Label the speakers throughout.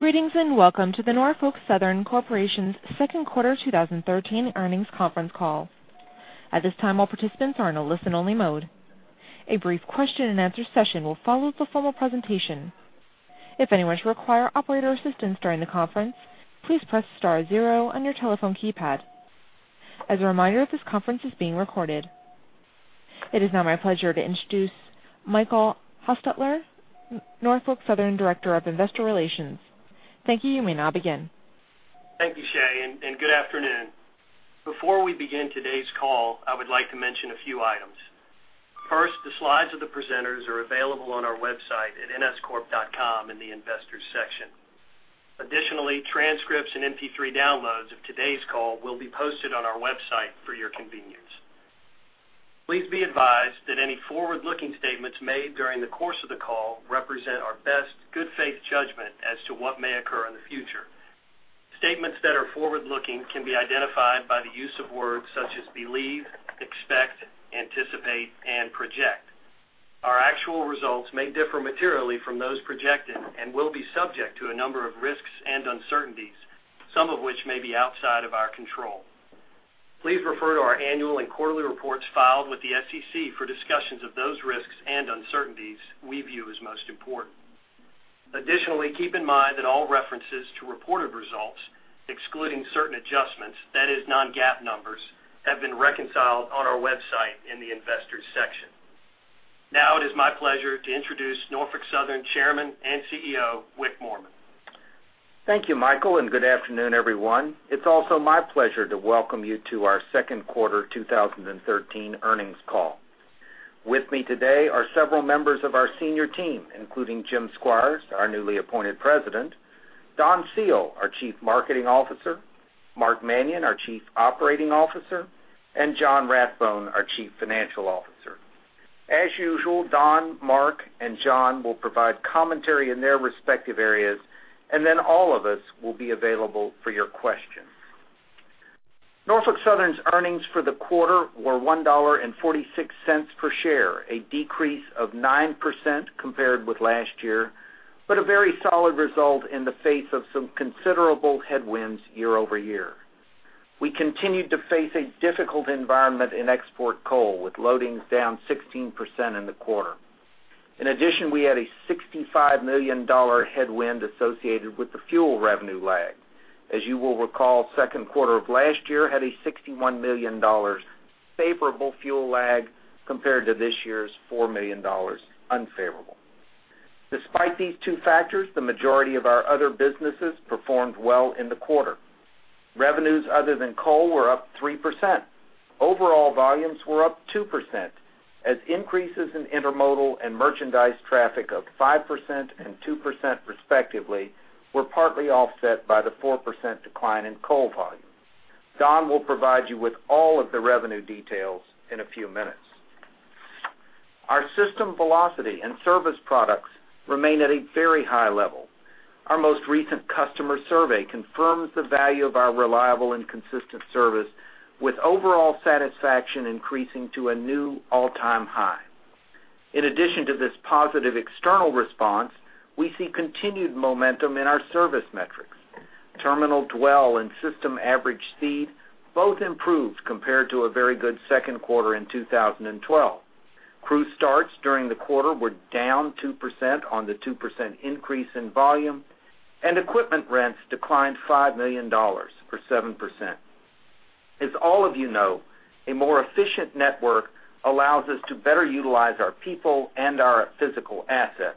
Speaker 1: ...Greetings, and welcome to the Norfolk Southern Corporation's second quarter 2013 earnings conference call. At this time, all participants are in a listen-only mode. A brief question-and-answer session will follow the formal presentation. If anyone should require operator assistance during the conference, please press star zero on your telephone keypad. As a reminder, this conference is being recorded. It is now my pleasure to introduce Michael Hostutler, Norfolk Southern, Director of Investor Relations. Thank you. You may now begin.
Speaker 2: Thank you, Shea, and good afternoon. Before we begin today's call, I would like to mention a few items. First, the slides of the presenters are available on our website at nscorp.com in the Investors section. Additionally, transcripts and MP3 downloads of today's call will be posted on our website for your convenience. Please be advised that any forward-looking statements made during the course of the call represent our best good faith judgment as to what may occur in the future. Statements that are forward-looking can be identified by the use of words such as believe, expect, anticipate, and project. Our actual results may differ materially from those projected and will be subject to a number of risks and uncertainties, some of which may be outside of our control. Please refer to our annual and quarterly reports filed with the SEC for discussions of those risks and uncertainties we view as most important. Additionally, keep in mind that all references to reported results, excluding certain adjustments, that is non-GAAP numbers, have been reconciled on our website in the Investors section. Now, it is my pleasure to introduce Norfolk Southern Chairman and CEO, Wick Moorman.
Speaker 3: Thank you, Michael, and good afternoon, everyone. It's also my pleasure to welcome you to our second quarter 2013 earnings call. With me today are several members of our senior team, including Jim Squires, our newly appointed President, Don Seale, our Chief Marketing Officer, Mark Manion, our Chief Operating Officer, and John Rathbone, our Chief Financial Officer. As usual, Don, Mark, and John will provide commentary in their respective areas, and then all of us will be available for your questions. Norfolk Southern's earnings for the quarter were $1.46 per share, a decrease of 9% compared with last year, but a very solid result in the face of some considerable headwinds year-over-year. We continued to face a difficult environment in export coal, with loadings down 16% in the quarter. In addition, we had a $65 million headwind associated with the fuel revenue lag. As you will recall, second quarter of last year had a $61 million favorable fuel lag compared to this year's $4 million unfavorable. Despite these two factors, the majority of our other businesses performed well in the quarter. Revenues other than coal were up 3%. Overall volumes were up 2%, as increases in intermodal and merchandise traffic of 5% and 2%, respectively, were partly offset by the 4% decline in coal volume. Don will provide you with all of the revenue details in a few minutes. Our system velocity and service products remain at a very high level. Our most recent customer survey confirms the value of our reliable and consistent service, with overall satisfaction increasing to a new all-time high. In addition to this positive external response, we see continued momentum in our service metrics. Terminal dwell and system average speed both improved compared to a very good second quarter in 2012. Crew starts during the quarter were down 2% on the 2% increase in volume, and equipment rents declined $5 million or 7%. As all of you know, a more efficient network allows us to better utilize our people and our physical assets,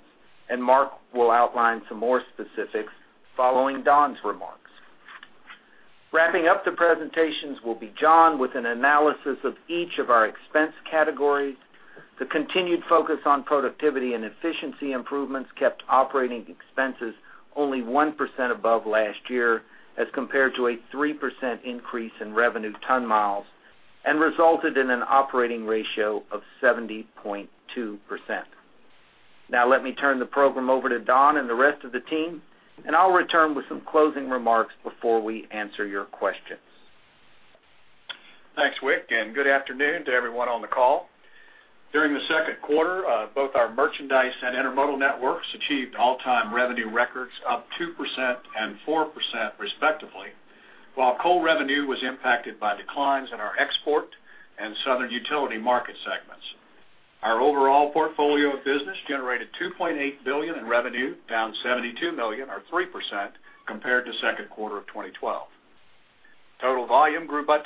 Speaker 3: and Mark will outline some more specifics following Don's remarks. Wrapping up the presentations will be John, with an analysis of each of our expense categories. The continued focus on productivity and efficiency improvements kept operating expenses only 1% above last year, as compared to a 3% increase in revenue ton miles, and resulted in an operating ratio of 70.2%. Now, let me turn the program over to Don and the rest of the team, and I'll return with some closing remarks before we answer your questions.
Speaker 4: Thanks, Wick, and good afternoon to everyone on the call. During the second quarter, both our merchandise and intermodal networks achieved all-time revenue records, up 2% and 4%, respectively, while coal revenue was impacted by declines in our export and southern utility market segments. Our overall portfolio of business generated $2.8 billion in revenue, down $72 million or 3% compared to second quarter of 2012. Total volume grew by 2%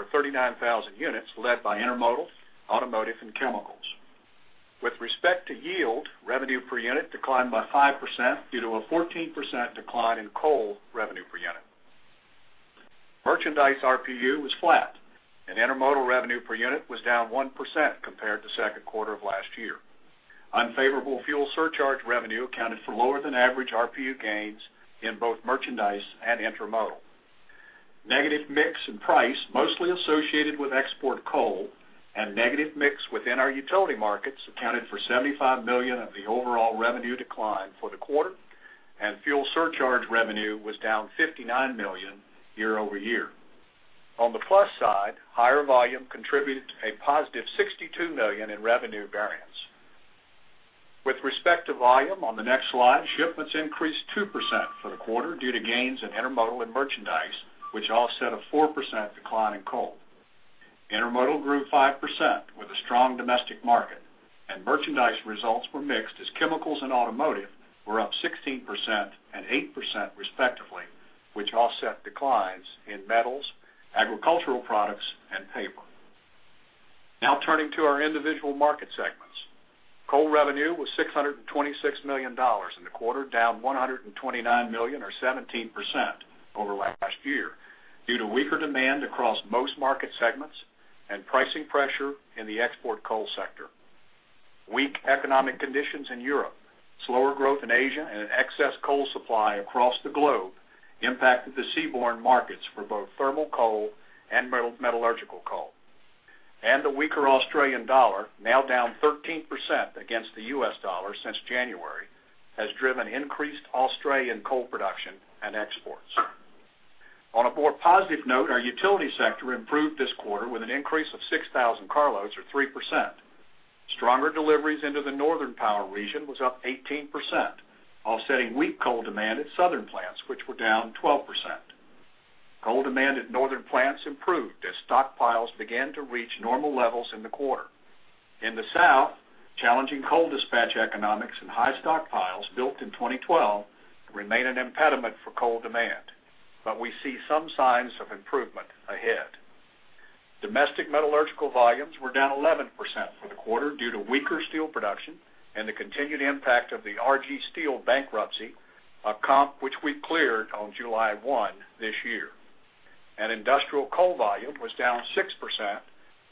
Speaker 4: or 39,000 units, led by intermodal, automotive and chemicals. With respect to yield, revenue per unit declined by 5% due to a 14% decline in coal revenue per unit. Merchandise RPU was flat, and intermodal revenue per unit was down 1% compared to second quarter of last year. Unfavorable fuel surcharge revenue accounted for lower than average RPU gains in both merchandise and intermodal. Negative mix and price, mostly associated with export coal and negative mix within our utility markets, accounted for $75 million of the overall revenue decline for the quarter, and fuel surcharge revenue was down $59 million year-over-year.... On the plus side, higher volume contributed to a positive $62 million in revenue variance. With respect to volume on the next slide, shipments increased 2% for the quarter due to gains in intermodal and merchandise, which offset a 4% decline in coal. Intermodal grew 5% with a strong domestic market, and merchandise results were mixed as chemicals and automotive were up 16% and 8%, respectively, which offset declines in metals, agricultural products, and paper. Now turning to our individual market segments. Coal revenue was $626 million in the quarter, down $129 million, or 17%, over last year due to weaker demand across most market segments and pricing pressure in the export coal sector. Weak economic conditions in Europe, slower growth in Asia, and an excess coal supply across the globe impacted the seaborne markets for both thermal coal and metallurgical coal. The weaker Australian dollar, now down 13% against the US dollar since January, has driven increased Australian coal production and exports. On a more positive note, our utility sector improved this quarter with an increase of 6,000 carloads or 3%. Stronger deliveries into the northern power region was up 18%, offsetting weak coal demand at southern plants, which were down 12%. Coal demand at northern plants improved as stockpiles began to reach normal levels in the quarter. In the South, challenging coal dispatch economics and high stockpiles built in 2012 remain an impediment for coal demand, but we see some signs of improvement ahead. Domestic metallurgical volumes were down 11% for the quarter due to weaker steel production and the continued impact of the RG Steel bankruptcy, a comp which we cleared on July 1 this year. And industrial coal volume was down 6%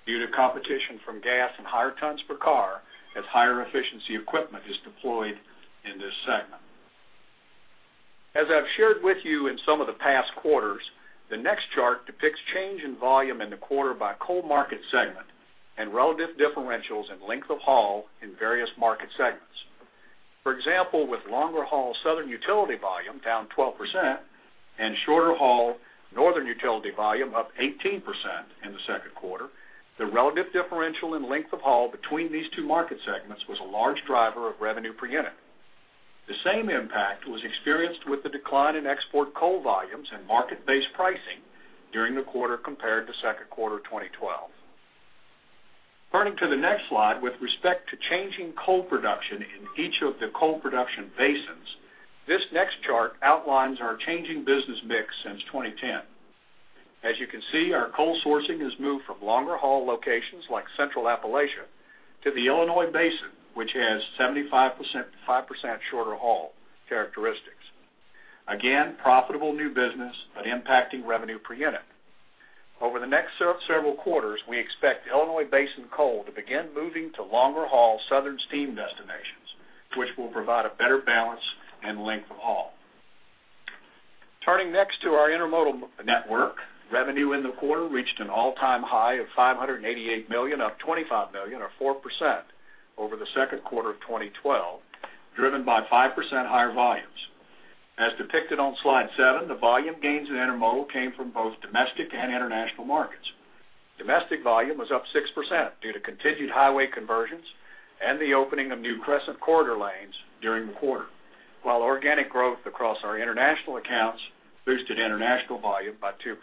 Speaker 4: due to competition from gas and higher tons per car as higher efficiency equipment is deployed in this segment. As I've shared with you in some of the past quarters, the next chart depicts change in volume in the quarter by coal market segment and relative differentials in length of haul in various market segments. For example, with longer haul southern utility volume down 12% and shorter haul northern utility volume up 18% in the second quarter, the relative differential in length of haul between these two market segments was a large driver of revenue per unit. The same impact was experienced with the decline in export coal volumes and market-based pricing during the quarter compared to second quarter 2012. Turning to the next slide, with respect to changing coal production in each of the coal production basins, this next chart outlines our changing business mix since 2010. As you can see, our coal sourcing has moved from longer haul locations like Central Appalachia to the Illinois Basin, which has 75% to 5% shorter haul characteristics. Again, profitable new business, but impacting revenue per unit. Over the next several quarters, we expect Illinois Basin coal to begin moving to longer haul southern steam destinations, which will provide a better balance and length of haul. Turning next to our intermodal network, revenue in the quarter reached an all-time high of $588 million, up $25 million, or 4%, over the second quarter of 2012, driven by 5% higher volumes. As depicted on slide 7, the volume gains in intermodal came from both domestic and international markets. Domestic volume was up 6% due to continued highway conversions and the opening of new Crescent Corridor lanes during the quarter, while organic growth across our international accounts boosted international volume by 2%.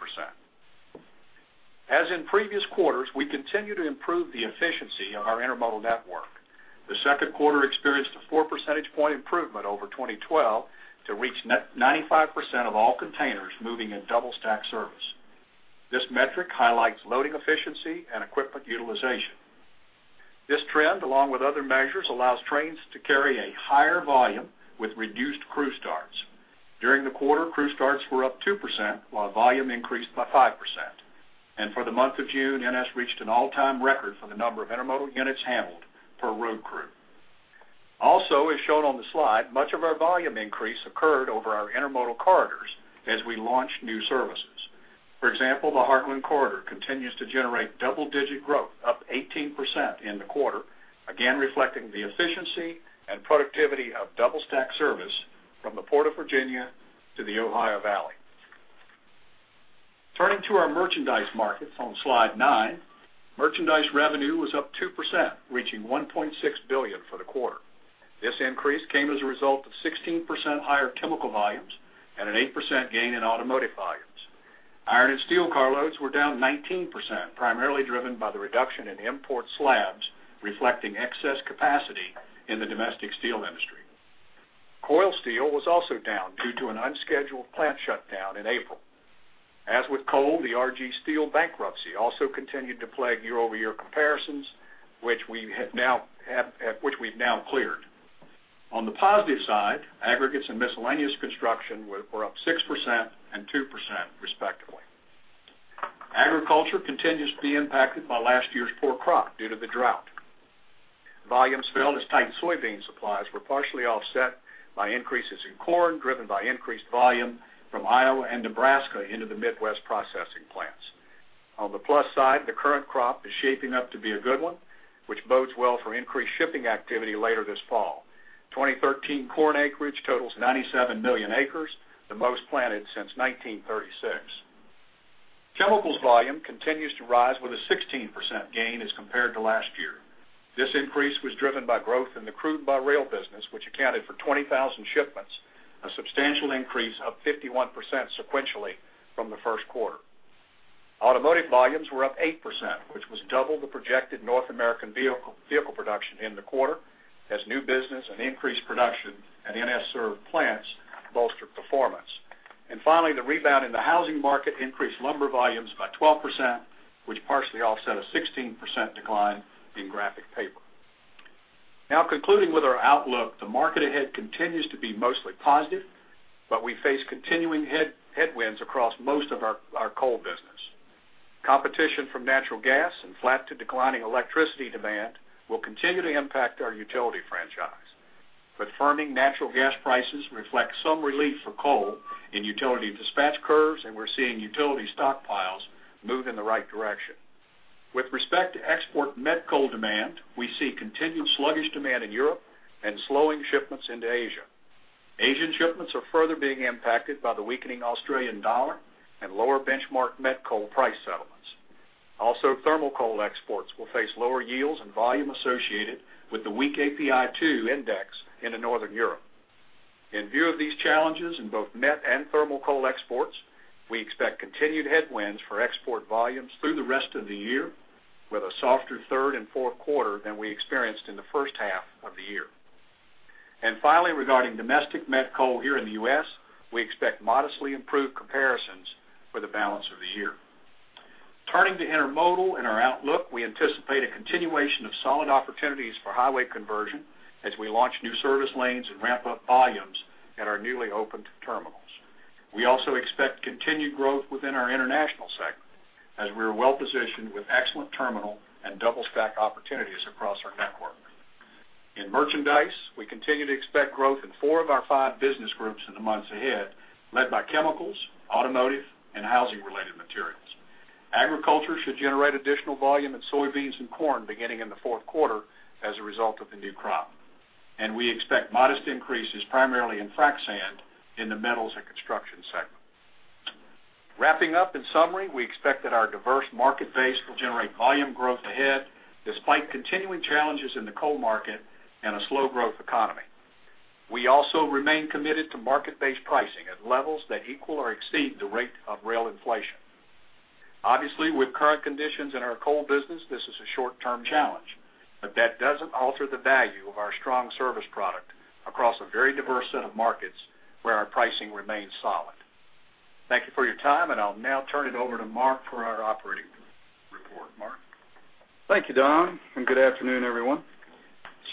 Speaker 4: As in previous quarters, we continue to improve the efficiency of our intermodal network. The second quarter experienced a 4 percentage point improvement over 2012 to reach net 95% of all containers moving in double stack service. This metric highlights loading efficiency and equipment utilization. This trend, along with other measures, allows trains to carry a higher volume with reduced crew starts. During the quarter, crew starts were up 2%, while volume increased by 5%. For the month of June, NS reached an all-time record for the number of intermodal units handled per road crew. Also, as shown on the slide, much of our volume increase occurred over our intermodal corridors as we launched new services. For example, the Heartland Corridor continues to generate double-digit growth, up 18% in the quarter, again, reflecting the efficiency and productivity of double stack service from the Port of Virginia to the Ohio Valley. Turning to our merchandise markets on slide nine, merchandise revenue was up 2%, reaching $1.6 billion for the quarter. This increase came as a result of 16% higher chemical volumes and an 8% gain in automotive volumes. Iron and steel carloads were down 19%, primarily driven by the reduction in import slabs, reflecting excess capacity in the domestic steel industry. Coil steel was also down due to an unscheduled plant shutdown in April. As with coal, the RG Steel bankruptcy also continued to plague year-over-year comparisons, which we've now cleared. On the positive side, aggregates and miscellaneous construction were up 6% and 2%, respectively. Agriculture continues to be impacted by last year's poor crop due to the drought. Volumes fell as tight soybean supplies were partially offset by increases in corn, driven by increased volume from Iowa and Nebraska into the Midwest processing plants. On the plus side, the current crop is shaping up to be a good one, which bodes well for increased shipping activity later this fall. 2013 corn acreage totals 97 million acres, the most planted since 1936. Chemicals volume continues to rise with a 16% gain as compared to last year. This increase was driven by growth in the crude by rail business, which accounted for 20,000 shipments, a substantial increase of 51% sequentially from the first quarter. Automotive volumes were up 8%, which was double the projected North American vehicle, vehicle production in the quarter, as new business and increased production at NS served plants bolstered performance. And finally, the rebound in the housing market increased lumber volumes by 12%, which partially offset a 16% decline in graphic paper. Now concluding with our outlook, the market ahead continues to be mostly positive, but we face continuing headwinds across most of our coal business. Competition from natural gas and flat to declining electricity demand will continue to impact our utility franchise. But firming natural gas prices reflect some relief for coal in utility dispatch curves, and we're seeing utility stockpiles move in the right direction. With respect to export met coal demand, we see continued sluggish demand in Europe and slowing shipments into Asia. Asian shipments are further being impacted by the weakening Australian dollar and lower benchmark met coal price settlements. Also, thermal coal exports will face lower yields and volume associated with the weak API 2 index into Northern Europe. In view of these challenges in both met and thermal coal exports, we expect continued headwinds for export volumes through the rest of the year, with a softer third and fourth quarter than we experienced in the first half of the year. And finally, regarding domestic met coal here in the U.S., we expect modestly improved comparisons for the balance of the year. Turning to intermodal and our outlook, we anticipate a continuation of solid opportunities for highway conversion as we launch new service lanes and ramp up volumes at our newly opened terminals. We also expect continued growth within our international segment, as we are well positioned with excellent terminal and double stack opportunities across our network. In merchandise, we continue to expect growth in four of our five business groups in the months ahead, led by chemicals, automotive, and housing-related materials. Agriculture should generate additional volume in soybeans and corn beginning in the fourth quarter as a result of the new crop. We expect modest increases, primarily in frac sand, in the metals and construction segment. Wrapping up, in summary, we expect that our diverse market base will generate volume growth ahead, despite continuing challenges in the coal market and a slow growth economy. We also remain committed to market-based pricing at levels that equal or exceed the rate of rail inflation. Obviously, with current conditions in our coal business, this is a short-term challenge, but that doesn't alter the value of our strong service product across a very diverse set of markets where our pricing remains solid. Thank you for your time, and I'll now turn it over to Mark for our operating report. Mark?
Speaker 5: Thank you, Don, and good afternoon, everyone.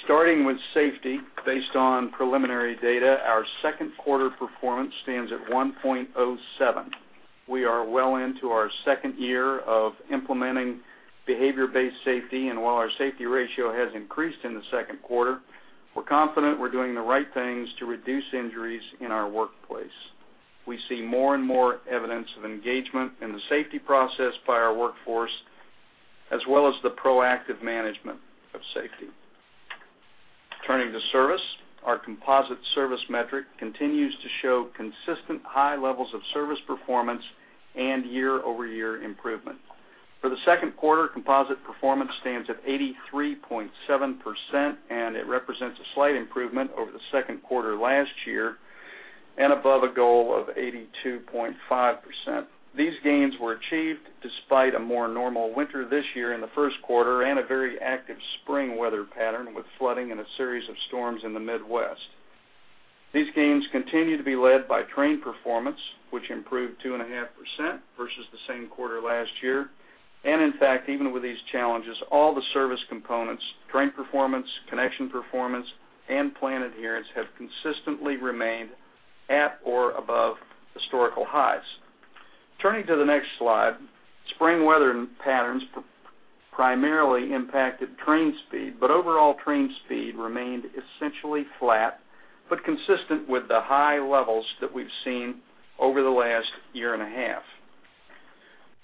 Speaker 5: Starting with safety, based on preliminary data, our second quarter performance stands at 1.07. We are well into our second year of implementing behavior-based safety, and while our safety ratio has increased in the second quarter, we're confident we're doing the right things to reduce injuries in our workplace. We see more and more evidence of engagement in the safety process by our workforce, as well as the proactive management of safety. Turning to service, our composite service metric continues to show consistent high levels of service performance and year-over-year improvement. For the second quarter, composite performance stands at 83.7%, and it represents a slight improvement over the second quarter last year and above a goal of 82.5%. These gains were achieved despite a more normal winter this year in the first quarter and a very active spring weather pattern, with flooding and a series of storms in the Midwest. These gains continue to be led by train performance, which improved 2.5% versus the same quarter last year. In fact, even with these challenges, all the service components, train performance, connection performance, and plan adherence, have consistently remained at or above historical highs. Turning to the next slide, spring weather patterns primarily impacted train speed, but overall train speed remained essentially flat, but consistent with the high levels that we've seen over the last year and a half.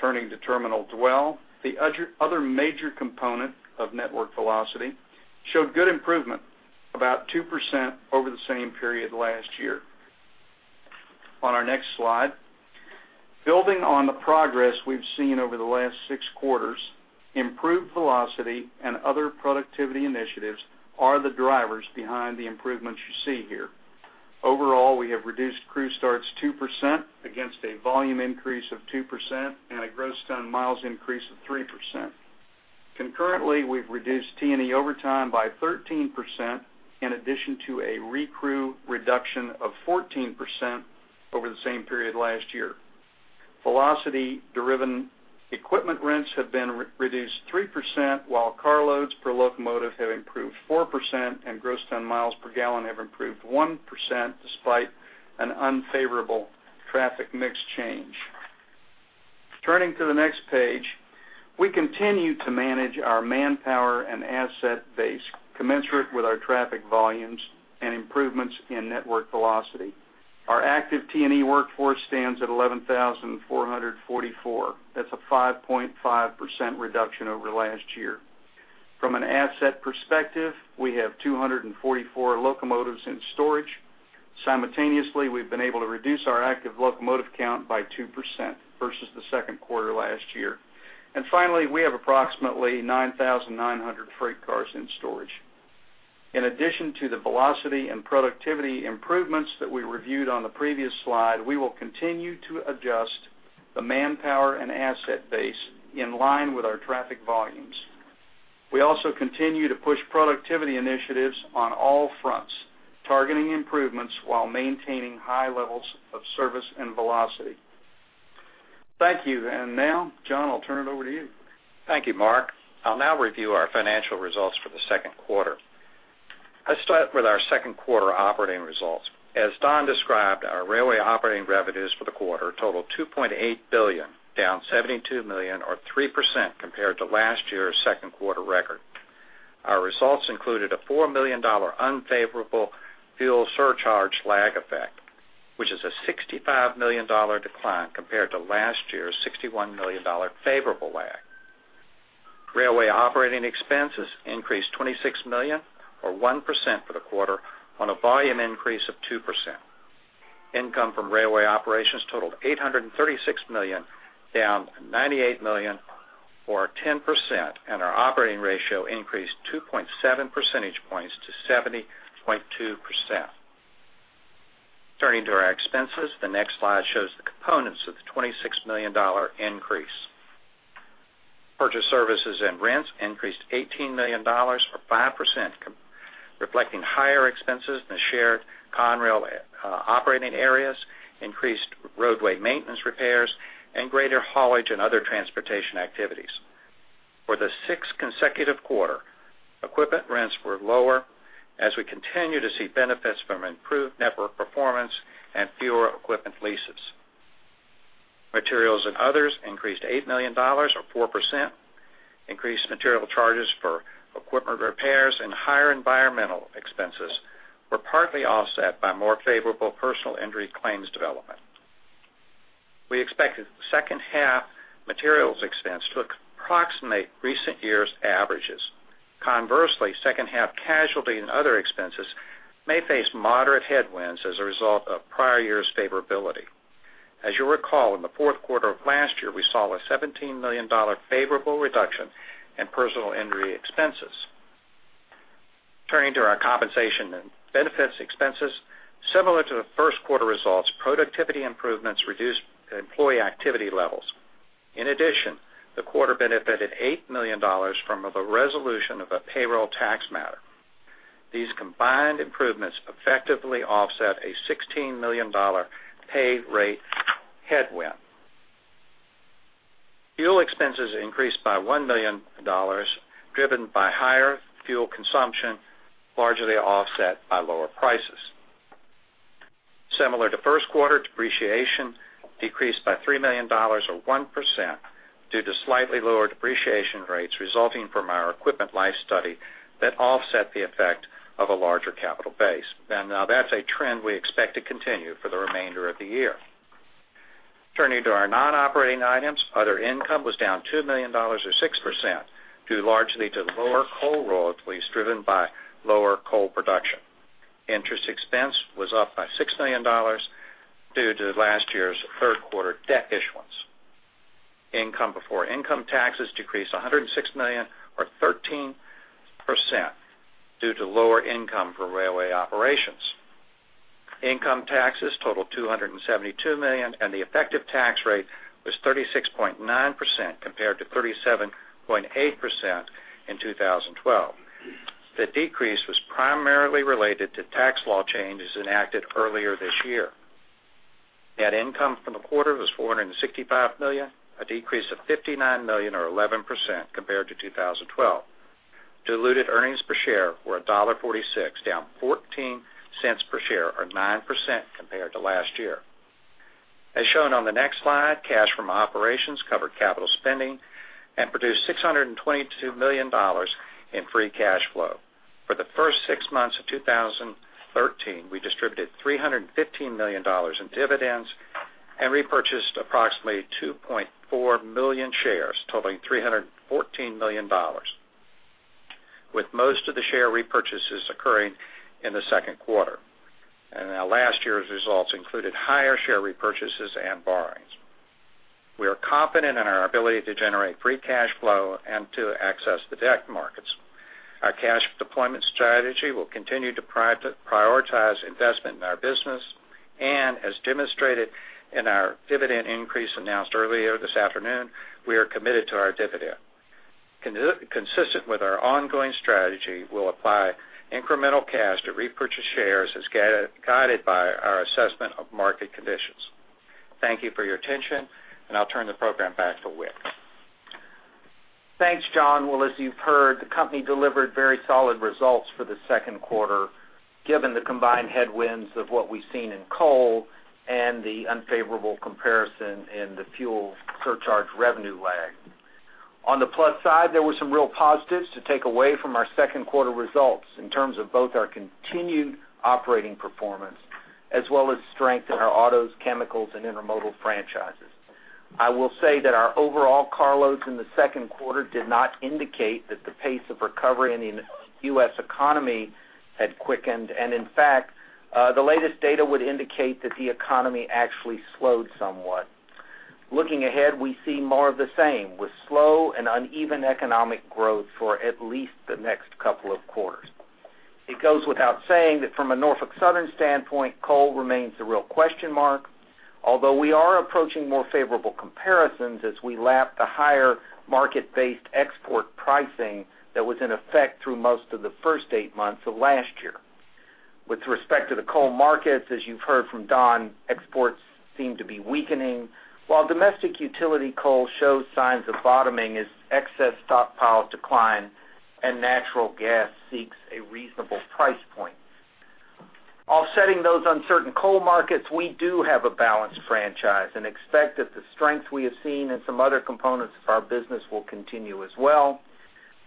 Speaker 5: Turning to terminal dwell, the other major component of network velocity, showed good improvement, about 2% over the same period last year. On our next slide, building on the progress we've seen over the last 6 quarters, improved velocity and other productivity initiatives are the drivers behind the improvements you see here. Overall, we have reduced crew starts 2% against a volume increase of 2% and a gross ton miles increase of 3%. Concurrently, we've reduced T&E overtime by 13%, in addition to a recrew reduction of 14% over the same period last year. Velocity-driven equipment rents have been reduced 3%, while carloads per locomotive have improved 4%, and gross ton miles per gallon have improved 1%, despite an unfavorable traffic mix change. Turning to the next page. We continue to manage our manpower and asset base commensurate with our traffic volumes and improvements in network velocity. Our active T&E workforce stands at 11,444. That's a 5.5% reduction over last year. From an asset perspective, we have 244 locomotives in storage. Simultaneously, we've been able to reduce our active locomotive count by 2% versus the second quarter last year. Finally, we have approximately 9,900 freight cars in storage. In addition to the velocity and productivity improvements that we reviewed on the previous slide, we will continue to adjust the manpower and asset base in line with our traffic volumes. We also continue to push productivity initiatives on all fronts, targeting improvements while maintaining high levels of service and velocity. Thank you. Now, John, I'll turn it over to you.
Speaker 6: Thank you, Mark. I'll now review our financial results for the second quarter. Let's start with our second quarter operating results. As Don described, our railway operating revenues for the quarter totaled $2.8 billion, down $72 million or 3% compared to last year's second quarter record. Our results included a $4 million unfavorable fuel surcharge lag effect, which is a $65 million decline compared to last year's $61 million favorable lag. Railway operating expenses increased $26 million, or 1% for the quarter, on a volume increase of 2%. Income from railway operations totaled $836 million, down $98 million, or 10%, and our operating ratio increased 2.7 percentage points to 70.2%. Turning to our expenses, the next slide shows the components of the $26 million increase. Purchased services and rents increased $18 million, or 5%, reflecting higher expenses in the shared Conrail operating areas, increased roadway maintenance repairs, and greater haulage and other transportation activities. For the sixth consecutive quarter, equipment rents were lower as we continue to see benefits from improved network performance and fewer equipment leases. Materials and others increased $8 million, or 4%. Increased material charges for equipment repairs and higher environmental expenses were partly offset by more favorable personal injury claims development. We expect second half materials expense to approximate recent years' averages. Conversely, second half casualty and other expenses may face moderate headwinds as a result of prior years' favorability. As you recall, in the fourth quarter of last year, we saw a $17 million favorable reduction in personal injury expenses. Turning to our compensation and benefits expenses, similar to the first quarter results, productivity improvements reduced employee activity levels. In addition, the quarter benefited $8 million from the resolution of a payroll tax matter. These combined improvements effectively offset a $16 million pay rate headwind. Fuel expenses increased by $1 million, driven by higher fuel consumption, largely offset by lower prices. Similar to first quarter, depreciation decreased by $3 million, or 1%, due to slightly lower depreciation rates resulting from our equipment life study that offset the effect of a larger capital base. And, that's a trend we expect to continue for the remainder of the year. Turning to our non-operating items, other income was down $2 million, or 6%, due largely to lower coal royalties, driven by lower coal production. Interest expense was up by $6 million due to last year's third quarter debt issuance. Income before income taxes decreased $106 million, or 13%, due to lower income from railway operations. Income taxes totaled $272 million, and the effective tax rate was 36.9%, compared to 37.8% in 2012. The decrease was primarily related to tax law changes enacted earlier this year. Net income from the quarter was $465 million, a decrease of $59 million, or 11% compared to 2012. Diluted earnings per share were $1.46, down 14 cents per share, or 9% compared to last year. As shown on the next slide, cash from operations covered capital spending and produced $622 million in free cash flow. For the first six months of 2013, we distributed $315 million in dividends and repurchased approximately 2.4 million shares, totaling $314 million, with most of the share repurchases occurring in the second quarter. Now, last year's results included higher share repurchases and borrowings. We are confident in our ability to generate free cash flow and to access the debt markets. Our cash deployment strategy will continue to prioritize investment in our business, and as demonstrated in our dividend increase announced earlier this afternoon, we are committed to our dividend. Consistent with our ongoing strategy, we'll apply incremental cash to repurchase shares as guided by our assessment of market conditions. Thank you for your attention, and I'll turn the program back to Wick.
Speaker 3: ...Thanks, John. Well, as you've heard, the company delivered very solid results for the second quarter, given the combined headwinds of what we've seen in coal and the unfavorable comparison in the fuel surcharge revenue lag. On the plus side, there were some real positives to take away from our second quarter results in terms of both our continued operating performance, as well as strength in our autos, chemicals, and intermodal franchises. I will say that our overall carloads in the second quarter did not indicate that the pace of recovery in the U.S. economy had quickened, and in fact, the latest data would indicate that the economy actually slowed somewhat. Looking ahead, we see more of the same, with slow and uneven economic growth for at least the next couple of quarters. It goes without saying that from a Norfolk Southern standpoint, coal remains a real question mark, although we are approaching more favorable comparisons as we lap the higher market-based export pricing that was in effect through most of the first eight months of last year. With respect to the coal markets, as you've heard from Don, exports seem to be weakening, while domestic utility coal shows signs of bottoming as excess stockpiles decline and natural gas seeks a reasonable price point. Offsetting those uncertain coal markets, we do have a balanced franchise and expect that the strength we have seen in some other components of our business will continue as well.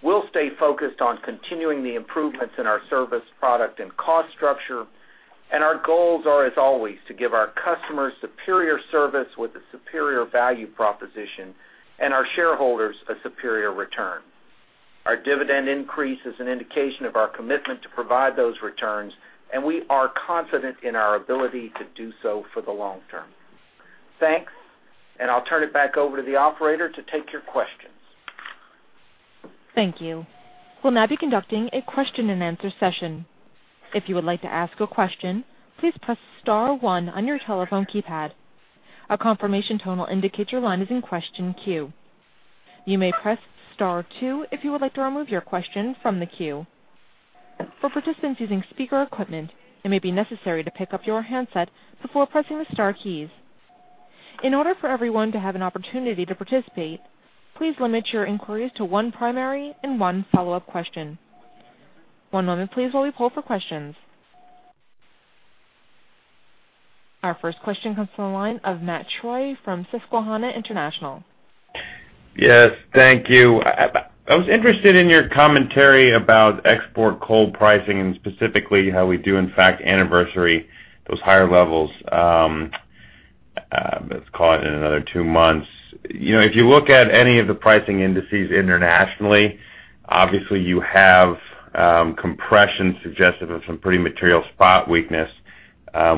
Speaker 3: We'll stay focused on continuing the improvements in our service, product, and cost structure, and our goals are, as always, to give our customers superior service with a superior value proposition, and our shareholders a superior return. Our dividend increase is an indication of our commitment to provide those returns, and we are confident in our ability to do so for the long term. Thanks, and I'll turn it back over to the operator to take your questions.
Speaker 1: Thank you. We'll now be conducting a question-and-answer session. If you would like to ask a question, please press star one on your telephone keypad. A confirmation tone will indicate your line is in question queue. You may press star two if you would like to remove your question from the queue. For participants using speaker equipment, it may be necessary to pick up your handset before pressing the star keys. In order for everyone to have an opportunity to participate, please limit your inquiries to one primary and one follow-up question. One moment, please, while we pull for questions. Our first question comes from the line of Matt Troy from Susquehanna International.
Speaker 7: Yes, thank you. I was interested in your commentary about export coal pricing, and specifically how we do, in fact, anniversary those higher levels, let's call it in another two months. You know, if you look at any of the pricing indices internationally, obviously, you have compression suggestive of some pretty material spot weakness,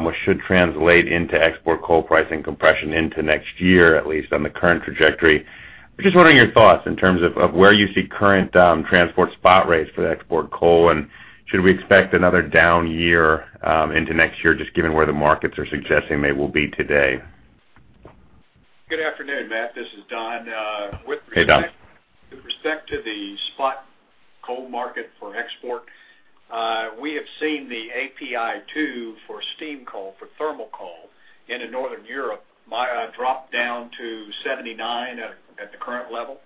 Speaker 7: which should translate into export coal pricing compression into next year, at least on the current trajectory. Just wondering your thoughts in terms of where you see current transport spot rates for the export coal, and should we expect another down year into next year, just given where the markets are suggesting they will be today?
Speaker 4: Good afternoon, Matt, this is Don, with-
Speaker 7: Hey, Don.
Speaker 4: With respect to the spot coal market for export, we have seen the API 2 for steam coal, for thermal coal into Northern Europe, drop down to $79 at the current level,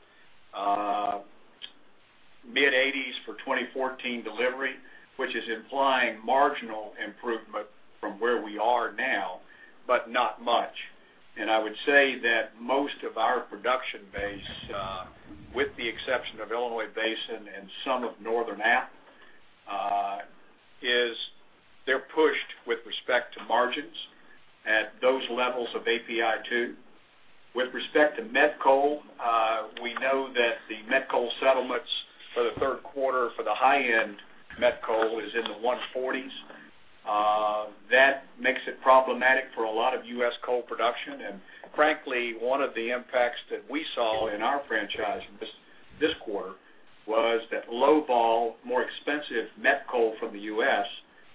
Speaker 4: mid-$80s for 2014 delivery, which is implying marginal improvement from where we are now, but not much. I would say that most of our production base, with the exception of Illinois Basin and some of Northern Appalachia, is they're pushed with respect to margins at those levels of API 2. With respect to met coal, we know that the met coal settlements for the third quarter for the high-end met coal is in the $140s. That makes it problematic for a lot of U.S. coal production, and frankly, one of the impacts that we saw in our franchise this quarter was Low Vol, more expensive met coal from the U.S.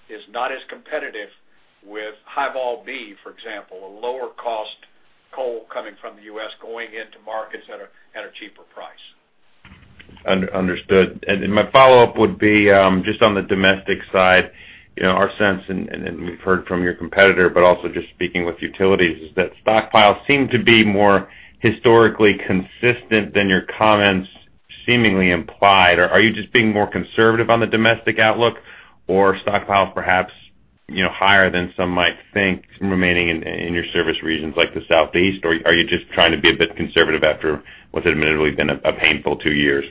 Speaker 4: is not as competitive with High Vol B, for example, a lower cost coal coming from the U.S., going into markets at a cheaper price.
Speaker 7: Understood. Then my follow-up would be, just on the domestic side, you know, our sense, and we've heard from your competitor, but also just speaking with utilities, is that stockpiles seem to be more historically consistent than your comments seemingly implied. Or are you just being more conservative on the domestic outlook, or stockpiles perhaps, you know, higher than some might think remaining in your service regions like the Southeast, or are you just trying to be a bit conservative after what's admittedly been a painful two years?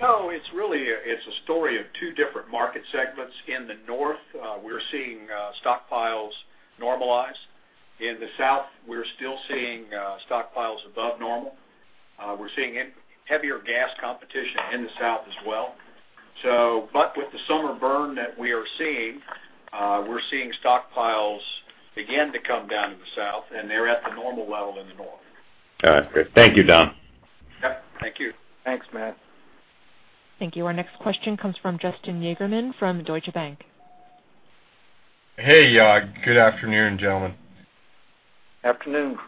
Speaker 4: No, it's really a story of two different market segments. In the North, we're seeing stockpiles normalize. In the South, we're still seeing stockpiles above normal. We're seeing heavier gas competition in the South as well. So but with the summer burn that we are seeing, we're seeing stockpiles begin to come down in the South, and they're at the normal level in the North.
Speaker 7: All right, great. Thank you, Don.
Speaker 4: Yep, thank you.
Speaker 1: Thanks, Matt. Thank you. Our next question comes from Justin Yagerman from Deutsche Bank.
Speaker 8: Hey, good afternoon, gentlemen.
Speaker 3: Afternoon.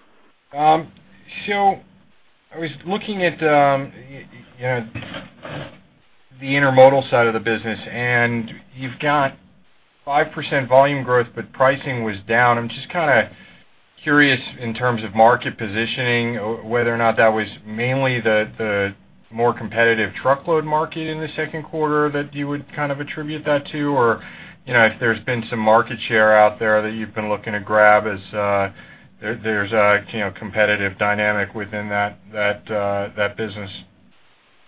Speaker 8: So I was looking at, you know-... the intermodal side of the business, and you've got 5% volume growth, but pricing was down. I'm just kind of curious, in terms of market positioning, whether or not that was mainly the more competitive truckload market in the second quarter that you would kind of attribute that to? Or, you know, if there's been some market share out there that you've been looking to grab as there's a, you know, competitive dynamic within that business.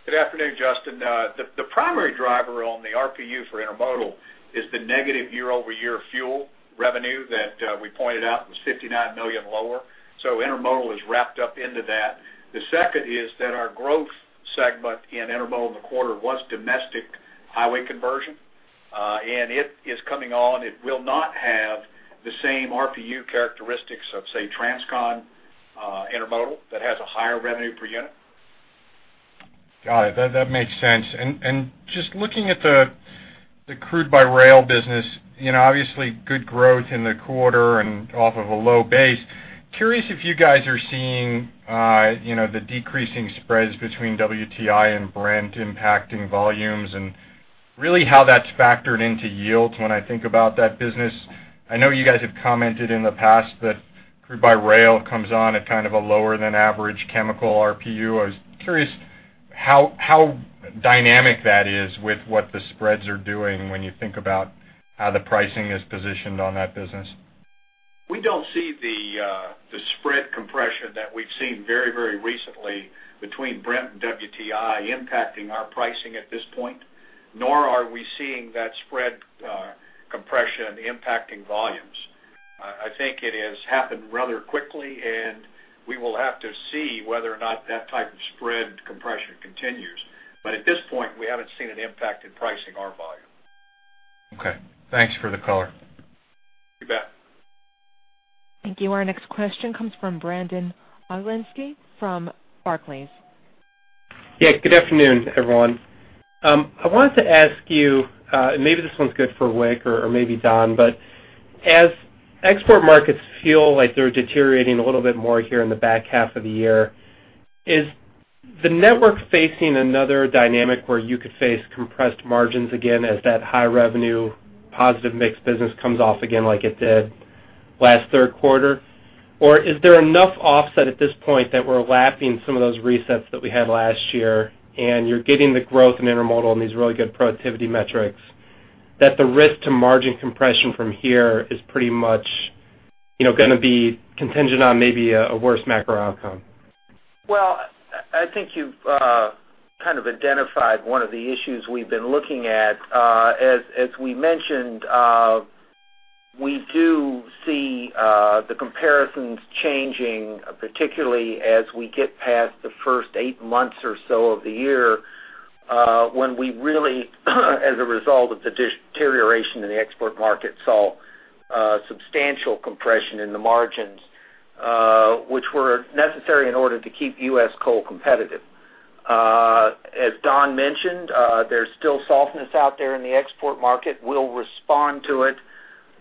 Speaker 4: Good afternoon, Justin. The primary driver on the RPU for intermodal is the negative year-over-year fuel revenue that we pointed out was $59 million lower. So intermodal is wrapped up into that. The second is that our growth segment in intermodal in the quarter was domestic highway conversion, and it is coming on. It will not have the same RPU characteristics of, say, transcon, intermodal, that has a higher revenue per unit.
Speaker 8: Got it. That makes sense. And just looking at the crude by rail business, you know, obviously, good growth in the quarter and off of a low base. Curious if you guys are seeing, you know, the decreasing spreads between WTI and Brent impacting volumes, and really how that's factored into yields when I think about that business. I know you guys have commented in the past that crude by rail comes on at kind of a lower-than-average chemical RPU. I was curious how dynamic that is with what the spreads are doing when you think about how the pricing is positioned on that business.
Speaker 4: We don't see the spread compression that we've seen very, very recently between Brent and WTI impacting our pricing at this point, nor are we seeing that spread compression impacting volumes. I think it has happened rather quickly, and we will have to see whether or not that type of spread compression continues. But at this point, we haven't seen an impact in pricing our volume.
Speaker 8: Okay. Thanks for the color.
Speaker 4: You bet.
Speaker 1: Thank you. Our next question comes from Brandon Oglenski from Barclays.
Speaker 9: Yeah, good afternoon, everyone. I wanted to ask you, and maybe this one's good for Wick or maybe Don, but as export markets feel like they're deteriorating a little bit more here in the back half of the year, is the network facing another dynamic where you could face compressed margins again as that high revenue, positive mixed business comes off again, like it did last third quarter? Or is there enough offset at this point that we're lapping some of those resets that we had last year, and you're getting the growth in intermodal and these really good productivity metrics, that the risk to margin compression from here is pretty much, you know, gonna be contingent on maybe a worse macro outcome?
Speaker 3: Well, I think you've kind of identified one of the issues we've been looking at. As we mentioned, we do see the comparisons changing, particularly as we get past the first eight months or so of the year, when we really as a result of the deterioration in the export market, saw substantial compression in the margins, which were necessary in order to keep U.S. coal competitive. As Don mentioned, there's still softness out there in the export market. We'll respond to it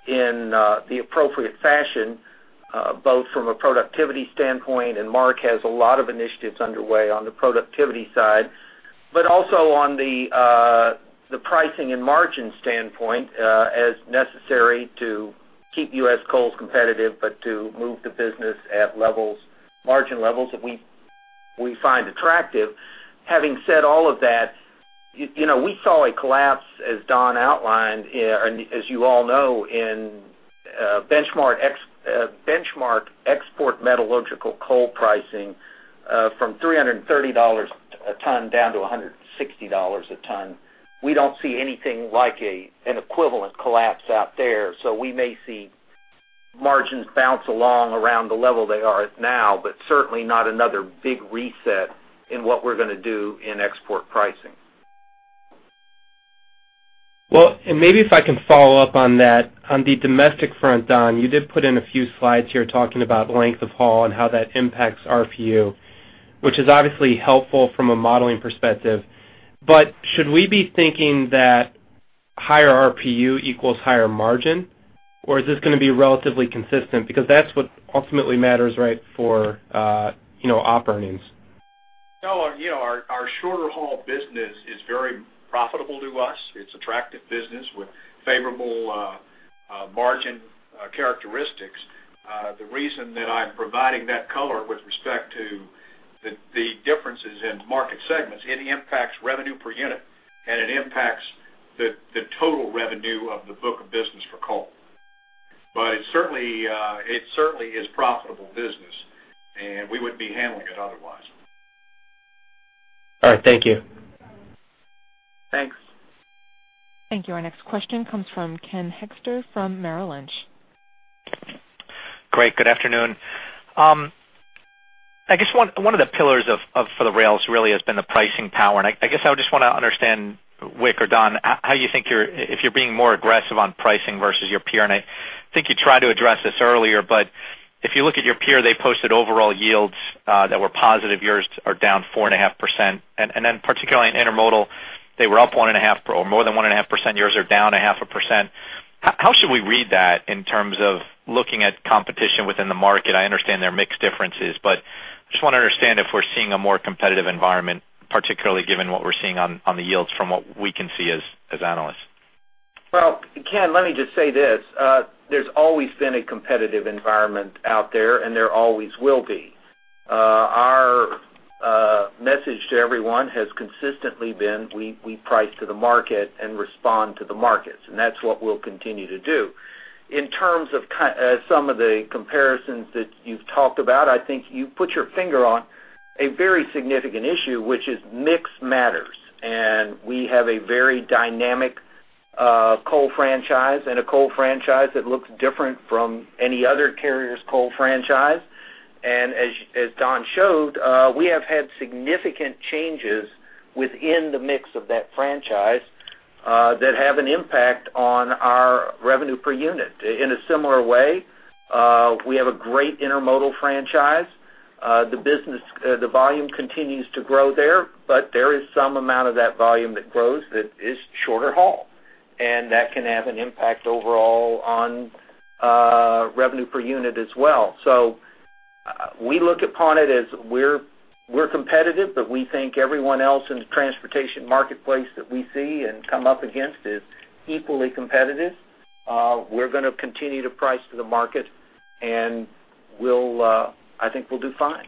Speaker 3: in the appropriate fashion, both from a productivity standpoint, and Mark has a lot of initiatives underway on the productivity side, but also on the pricing and margin standpoint, as necessary to keep U.S. coals competitive, but to move the business at levels, margin levels that we find attractive. Having said all of that, you, you know, we saw a collapse, as Don outlined, and as you all know, in, benchmark ex- benchmark export metallurgical coal pricing, from $330 a ton down to $160 a ton. We don't see anything like a, an equivalent collapse out there, so we may see margins bounce along around the level they are at now, but certainly not another big reset in what we're gonna do in export pricing.
Speaker 9: Well, and maybe if I can follow up on that. On the domestic front, Don, you did put in a few slides here talking about length of haul and how that impacts RPU, which is obviously helpful from a modeling perspective. But should we be thinking that higher RPU equals higher margin, or is this gonna be relatively consistent? Because that's what ultimately matters, right, for, you know, op earnings.
Speaker 4: No, you know, our shorter haul business is very profitable to us. It's attractive business with favorable margin characteristics. The reason that I'm providing that color with respect to the differences in market segments, it impacts revenue per unit, and it impacts the total revenue of the book of business for coal. But it certainly is profitable business, and we wouldn't be handling it otherwise.
Speaker 9: All right. Thank you.
Speaker 4: Thanks.
Speaker 1: Thank you. Our next question comes from Ken Hoexter from Merrill Lynch.
Speaker 10: Great. Good afternoon. I guess one of the pillars of for the rails really has been the pricing power, and I guess I would just wanna understand, Wick or Don, how you think you're if you're being more aggressive on pricing versus your peer, and I think you tried to address this earlier, but if you look at your peer, they posted overall yields that were positive. Yours are down 4.5%. And then particularly in intermodal, they were up 1.5% or more than 1.5%. Yours are down 0.5%. How should we read that in terms of looking at competition within the market? I understand there are mix differences, but just want to understand if we're seeing a more competitive environment, particularly given what we're seeing on the yields from what we can see as analysts.
Speaker 3: Well, Ken, let me just say this, there's always been a competitive environment out there, and there always will be. Our message to everyone has consistently been, we price to the market and respond to the markets, and that's what we'll continue to do. In terms of some of the comparisons that you've talked about, I think you put your finger on a very significant issue, which is mix matters, and we have a very dynamic coal franchise and a coal franchise that looks different from any other carrier's coal franchise. And as Don showed, we have had significant changes within the mix of that franchise that have an impact on our revenue per unit. In a similar way, we have a great intermodal franchise. The business, the volume continues to grow there, but there is some amount of that volume that grows that is shorter haul, and that can have an impact overall on revenue per unit as well. So we look upon it as we're competitive, but we think everyone else in the transportation marketplace that we see and come up against is equally competitive. We're going to continue to price to the market, and we'll, I think we'll do fine.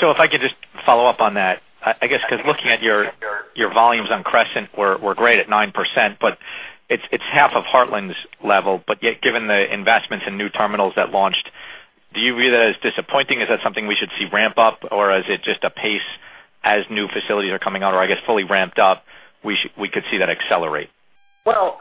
Speaker 10: So if I could just follow up on that, I guess, because looking at your volumes on Crescent were great at 9%, but it's half of Heartland's level. But yet, given the investments in new terminals that launched, do you view that as disappointing? Is that something we should see ramp up, or is it just a pace as new facilities are coming out, or I guess, fully ramped up, we could see that accelerate?
Speaker 3: Well,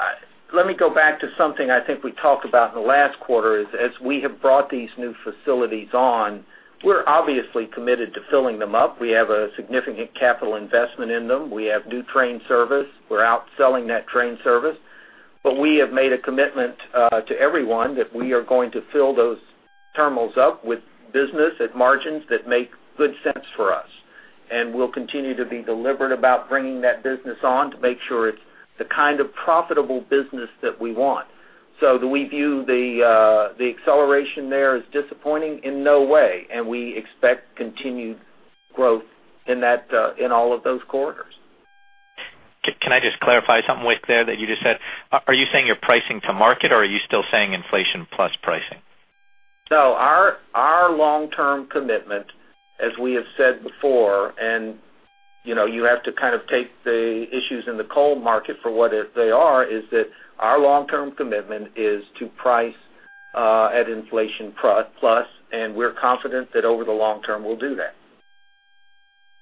Speaker 3: let me go back to something I think we talked about in the last quarter is, as we have brought these new facilities on, we're obviously committed to filling them up. We have a significant capital investment in them. We have new train service. We're out selling that train service. But we have made a commitment to everyone that we are going to fill those terminals up with business at margins that make good sense for us. And we'll continue to be deliberate about bringing that business on to make sure it's the kind of profitable business that we want. So do we view the, the acceleration there as disappointing? In no way, and we expect continued growth in that, in all of those corridors.
Speaker 10: Can I just clarify something with what you just said? Are you saying you're pricing to market, or are you still saying inflation plus pricing?
Speaker 3: No, our long-term commitment, as we have said before, and, you know, you have to kind of take the issues in the coal market for what they are, is that our long-term commitment is to price at inflation plus plus, and we're confident that over the long term, we'll do that.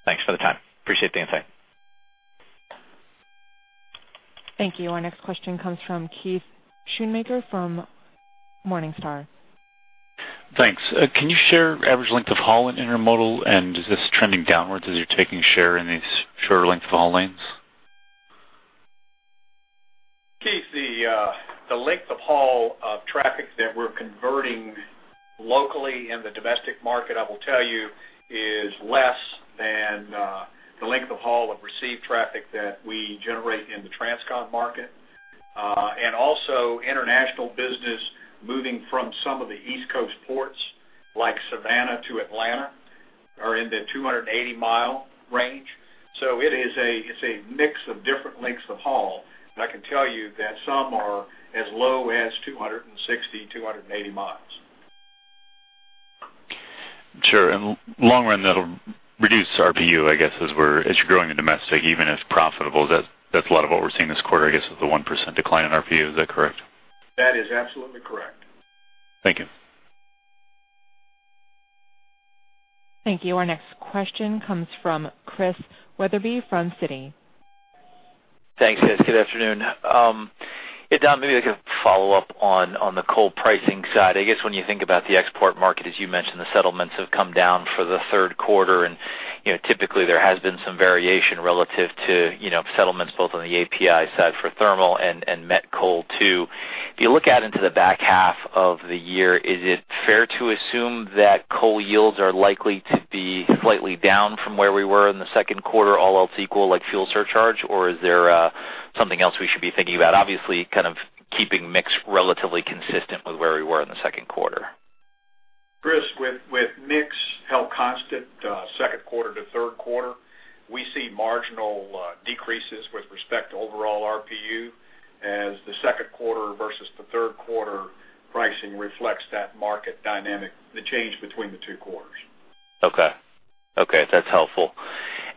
Speaker 10: Thanks for the time. Appreciate the insight.
Speaker 1: Thank you. Our next question comes from Keith Schoonmaker from Morningstar.
Speaker 11: Thanks. Can you share average length of haul in intermodal, and is this trending downwards as you're taking share in these shorter length of haul lanes?
Speaker 3: Keith, the length of haul of traffic that we're converting locally in the domestic market, I will tell you, is less than the length of haul of received traffic that we generate in the transcon market. And also international business moving from some of the East Coast ports, like Savannah to Atlanta, are in the 280-mile range. So it is a, it's a mix of different lengths of haul. And I can tell you that some are as low as 260, 280 miles.
Speaker 11: Sure. In the long run, that'll reduce RPU, I guess, as you're growing in domestic, even if profitable. That, that's a lot of what we're seeing this quarter, I guess, with the 1% decline in RPU. Is that correct?
Speaker 3: That is absolutely correct.
Speaker 11: Thank you.
Speaker 1: Thank you. Our next question comes from Chris Wetherbee, from Citi.
Speaker 12: Thanks, guys. Good afternoon. Yeah, Don, maybe I could follow up on the coal pricing side. I guess when you think about the export market, as you mentioned, the settlements have come down for the third quarter, and you know, typically, there has been some variation relative to, you know, settlements both on the API side for thermal and met coal, too. If you look out into the back half of the year, is it fair to assume that coal yields are likely to be slightly down from where we were in the second quarter, all else equal, like fuel surcharge, or is there something else we should be thinking about? Obviously, kind of keeping mix relatively consistent with where we were in the second quarter.
Speaker 4: Chris, with mix held constant, second quarter to third quarter, we see marginal decreases with respect to overall RPU as the second quarter versus the third quarter pricing reflects that market dynamic, the change between the two quarters.
Speaker 12: Okay. Okay, that's helpful.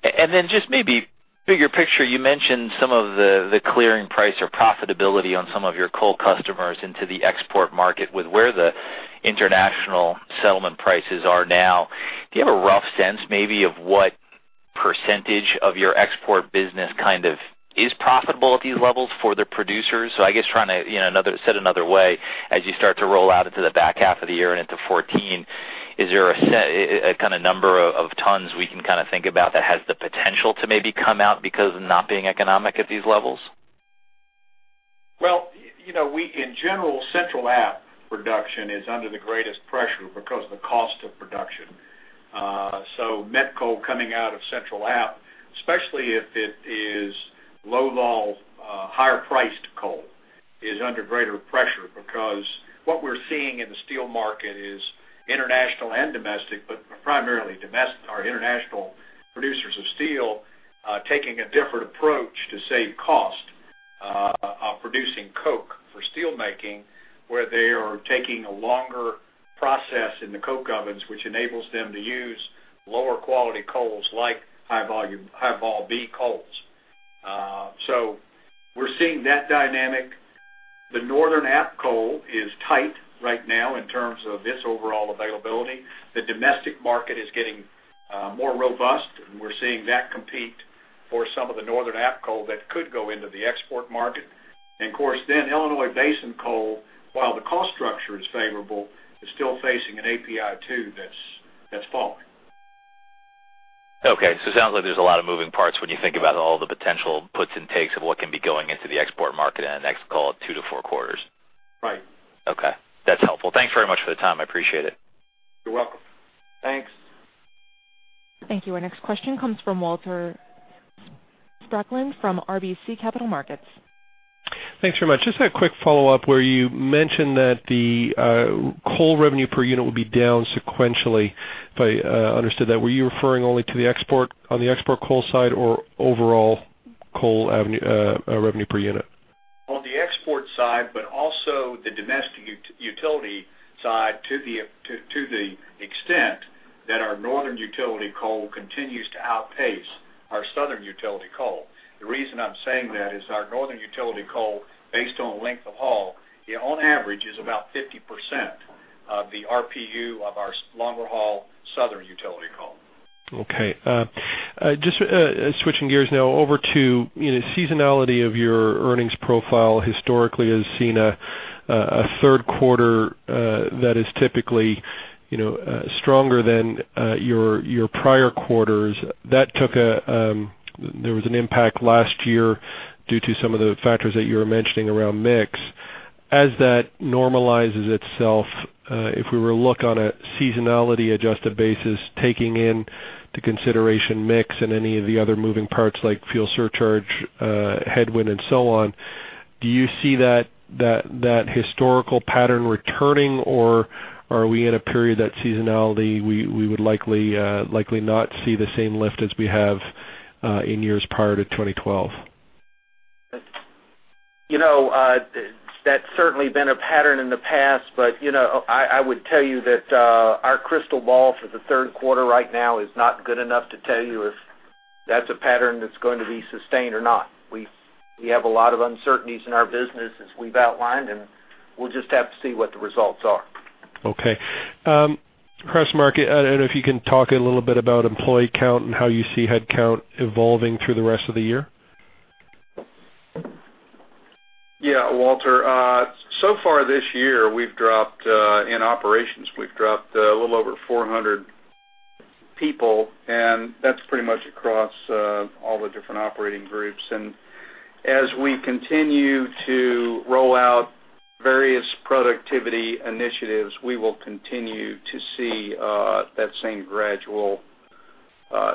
Speaker 12: And then just maybe bigger picture, you mentioned some of the, the clearing price or profitability on some of your coal customers into the export market with where the international settlement prices are now. Do you have a rough sense, maybe, of what percentage of your export business kind of is profitable at these levels for the producers? So I guess trying to, you know, another-- said another way, as you start to roll out into the back half of the year and into 2014, is there a set, a, a kind of number of, of tons we can kind of think about that has the potential to maybe come out because of not being economic at these levels?
Speaker 3: Well, you know, in general, Central Appalachia production is under the greatest pressure because of the cost of production....
Speaker 4: so met coal coming out of Central Appalachia, especially if it Low Vol, higher-priced coal, is under greater pressure because what we're seeing in the steel market is international and domestic, but primarily domestic or international producers of steel, taking a different approach to save cost, of producing coke for steelmaking, where they are taking a longer process in the coke ovens, which enables them to use lower quality coals, like high volume, high Vol B coals. So we're seeing that dynamic. The Northern Appalachia coal is tight right now in terms of its overall availability. The domestic market is getting, more robust, and we're seeing that compete for some of the Northern Appalachia coal that could go into the export market. And of course, then, Illinois Basin coal, while the cost structure is favorable, is still facing an API 2 that's falling.
Speaker 12: Okay, so it sounds like there's a lot of moving parts when you think about all the potential puts and takes of what can be going into the export market in the next, call it, 2-4 quarters?
Speaker 4: Right.
Speaker 12: Okay, that's helpful. Thanks very much for the time. I appreciate it.
Speaker 4: You're welcome. Thanks.
Speaker 1: Thank you. Our next question comes from Walter Spracklin, from RBC Capital Markets.
Speaker 13: Thanks very much. Just a quick follow-up where you mentioned that the coal revenue per unit will be down sequentially. If I understood that, were you referring only to the export, on the export coal side or overall coal revenue per unit?
Speaker 4: On the export side, but also the domestic utility side, to the extent that our northern utility coal continues to outpace our southern utility coal. The reason I'm saying that is our northern utility coal, based on length of haul, on average, is about 50% of the RPU of our longer haul southern utility coal.
Speaker 13: Okay. Just switching gears now over to, you know, seasonality of your earnings profile historically has seen a third quarter that is typically, you know, stronger than your prior quarters. There was an impact last year due to some of the factors that you were mentioning around mix. As that normalizes itself, if we were to look on a seasonality-adjusted basis, taking into consideration mix and any of the other moving parts like fuel surcharge headwind and so on, do you see that historical pattern returning, or are we in a period that seasonality we would likely not see the same lift as we have in years prior to 2012?
Speaker 4: You know, that's certainly been a pattern in the past, but, you know, I would tell you that our crystal ball for the third quarter right now is not good enough to tell you if that's a pattern that's going to be sustained or not. We have a lot of uncertainties in our business as we've outlined, and we'll just have to see what the results are.
Speaker 13: Okay. Across markets, I don't know if you can talk a little bit about employee count and how you see headcount evolving through the rest of the year?
Speaker 4: Yeah, Walter. So far this year, we've dropped, in operations, we've dropped a little over 400 people, and that's pretty much across, all the different operating groups. And as we continue to roll out various productivity initiatives, we will continue to see, that same gradual,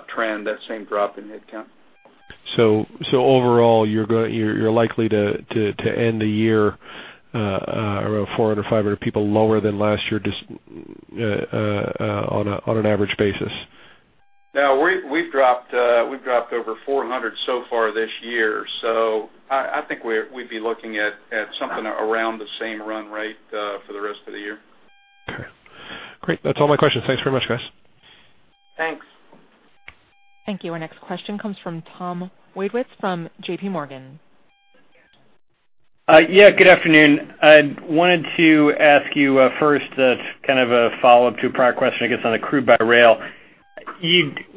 Speaker 4: trend, that same drop in headcount.
Speaker 13: So overall, you're likely to end the year on an average basis?
Speaker 4: Yeah, we've dropped over 400 so far this year, so I think we'd be looking at something around the same run rate for the rest of the year.
Speaker 13: Okay. Great. That's all my questions. Thanks very much, guys.
Speaker 4: Thanks.
Speaker 1: Thank you. Our next question comes from Tom Wadewitz from J.P. Morgan.
Speaker 14: Yeah, good afternoon. I wanted to ask you, first, kind of a follow-up to a prior question, I guess, on the crude by rail.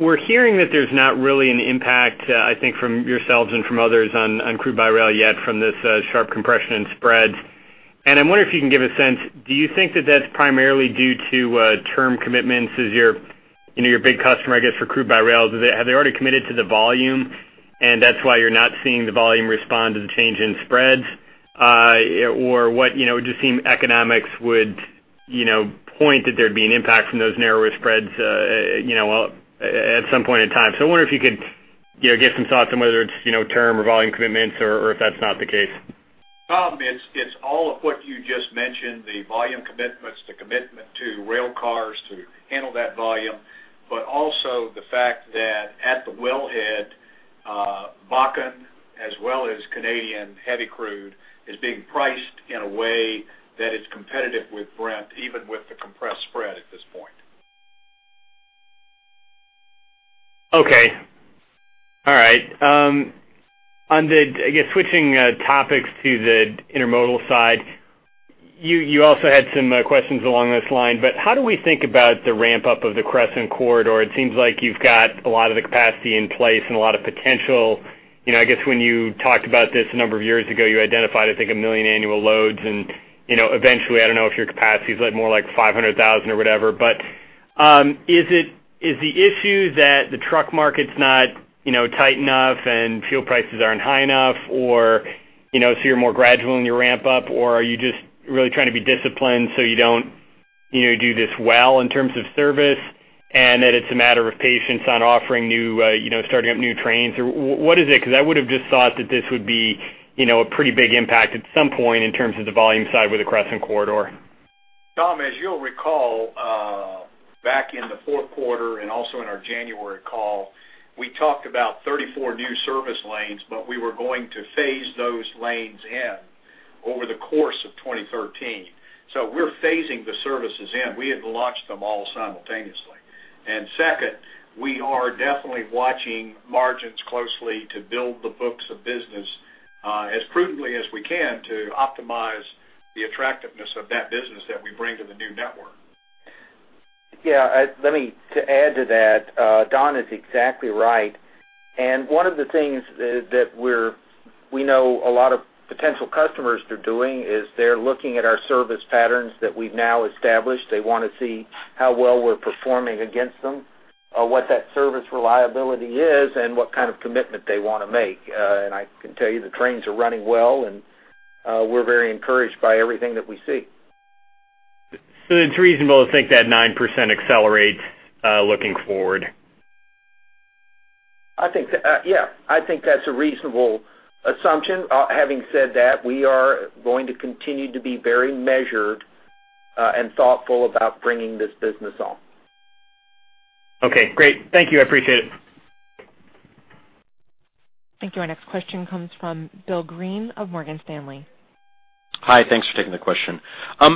Speaker 14: We're hearing that there's not really an impact, I think from yourselves and from others on crude by rail yet from this sharp compression in spreads. And I'm wondering if you can give a sense, do you think that that's primarily due to term commitments? Is your, you know, your big customer, I guess, for crude by rail, do they have they already committed to the volume, and that's why you're not seeing the volume respond to the change in spreads? Or what, you know, it just seem economics would, you know, point that there'd be an impact from those narrower spreads, you know, at some point in time. I wonder if you could, you know, give some thoughts on whether it's, you know, term or volume commitments or, or if that's not the case.
Speaker 4: Tom, it's, it's all of what you just mentioned, the volume commitments, the commitment to rail cars to handle that volume, but also the fact that at the wellhead, Bakken, as well as Canadian heavy crude, is being priced in a way that is competitive with Brent, even with the compressed spread at this point.
Speaker 14: Okay. All right. On the... I guess, switching topics to the intermodal side, you also had some questions along this line, but how do we think about the ramp-up of the Crescent Corridor? It seems like you've got a lot of the capacity in place and a lot of potential. You know, I guess when you talked about this a number of years ago, you identified, I think, 1 million annual loads and, you know, eventually, I don't know if your capacity is more like 500,000 or whatever. But, is it-- is the issue that the truck market's not, you know, tight enough and fuel prices aren't high enough, or you know, so you're more gradual in your ramp up, or are you just really trying to be disciplined so you don't-... You know, do this well in terms of service, and that it's a matter of patience on offering new, you know, starting up new trains, or what is it? 'Cause I would have just thought that this would be, you know, a pretty big impact at some point in terms of the volume side with the Crescent Corridor.
Speaker 4: Tom, as you'll recall, back in the fourth quarter, and also in our January call, we talked about 34 new service lanes, but we were going to phase those lanes in over the course of 2013. So we're phasing the services in. We hadn't launched them all simultaneously. And second, we are definitely watching margins closely to build the books of business, as prudently as we can to optimize the attractiveness of that business that we bring to the new network.
Speaker 3: Yeah, let me to add to that. Don is exactly right. One of the things that we know a lot of potential customers are doing is they're looking at our service patterns that we've now established. They wanna see how well we're performing against them, what that service reliability is, and what kind of commitment they wanna make. I can tell you, the trains are running well, and we're very encouraged by everything that we see.
Speaker 14: So it's reasonable to think that 9% accelerates, looking forward?
Speaker 3: I think, yeah, I think that's a reasonable assumption. Having said that, we are going to continue to be very measured, and thoughtful about bringing this business on.
Speaker 14: Okay, great. Thank you. I appreciate it.
Speaker 1: Thank you. Our next question comes from William Greene of Morgan Stanley.
Speaker 15: Hi, thanks for taking the question.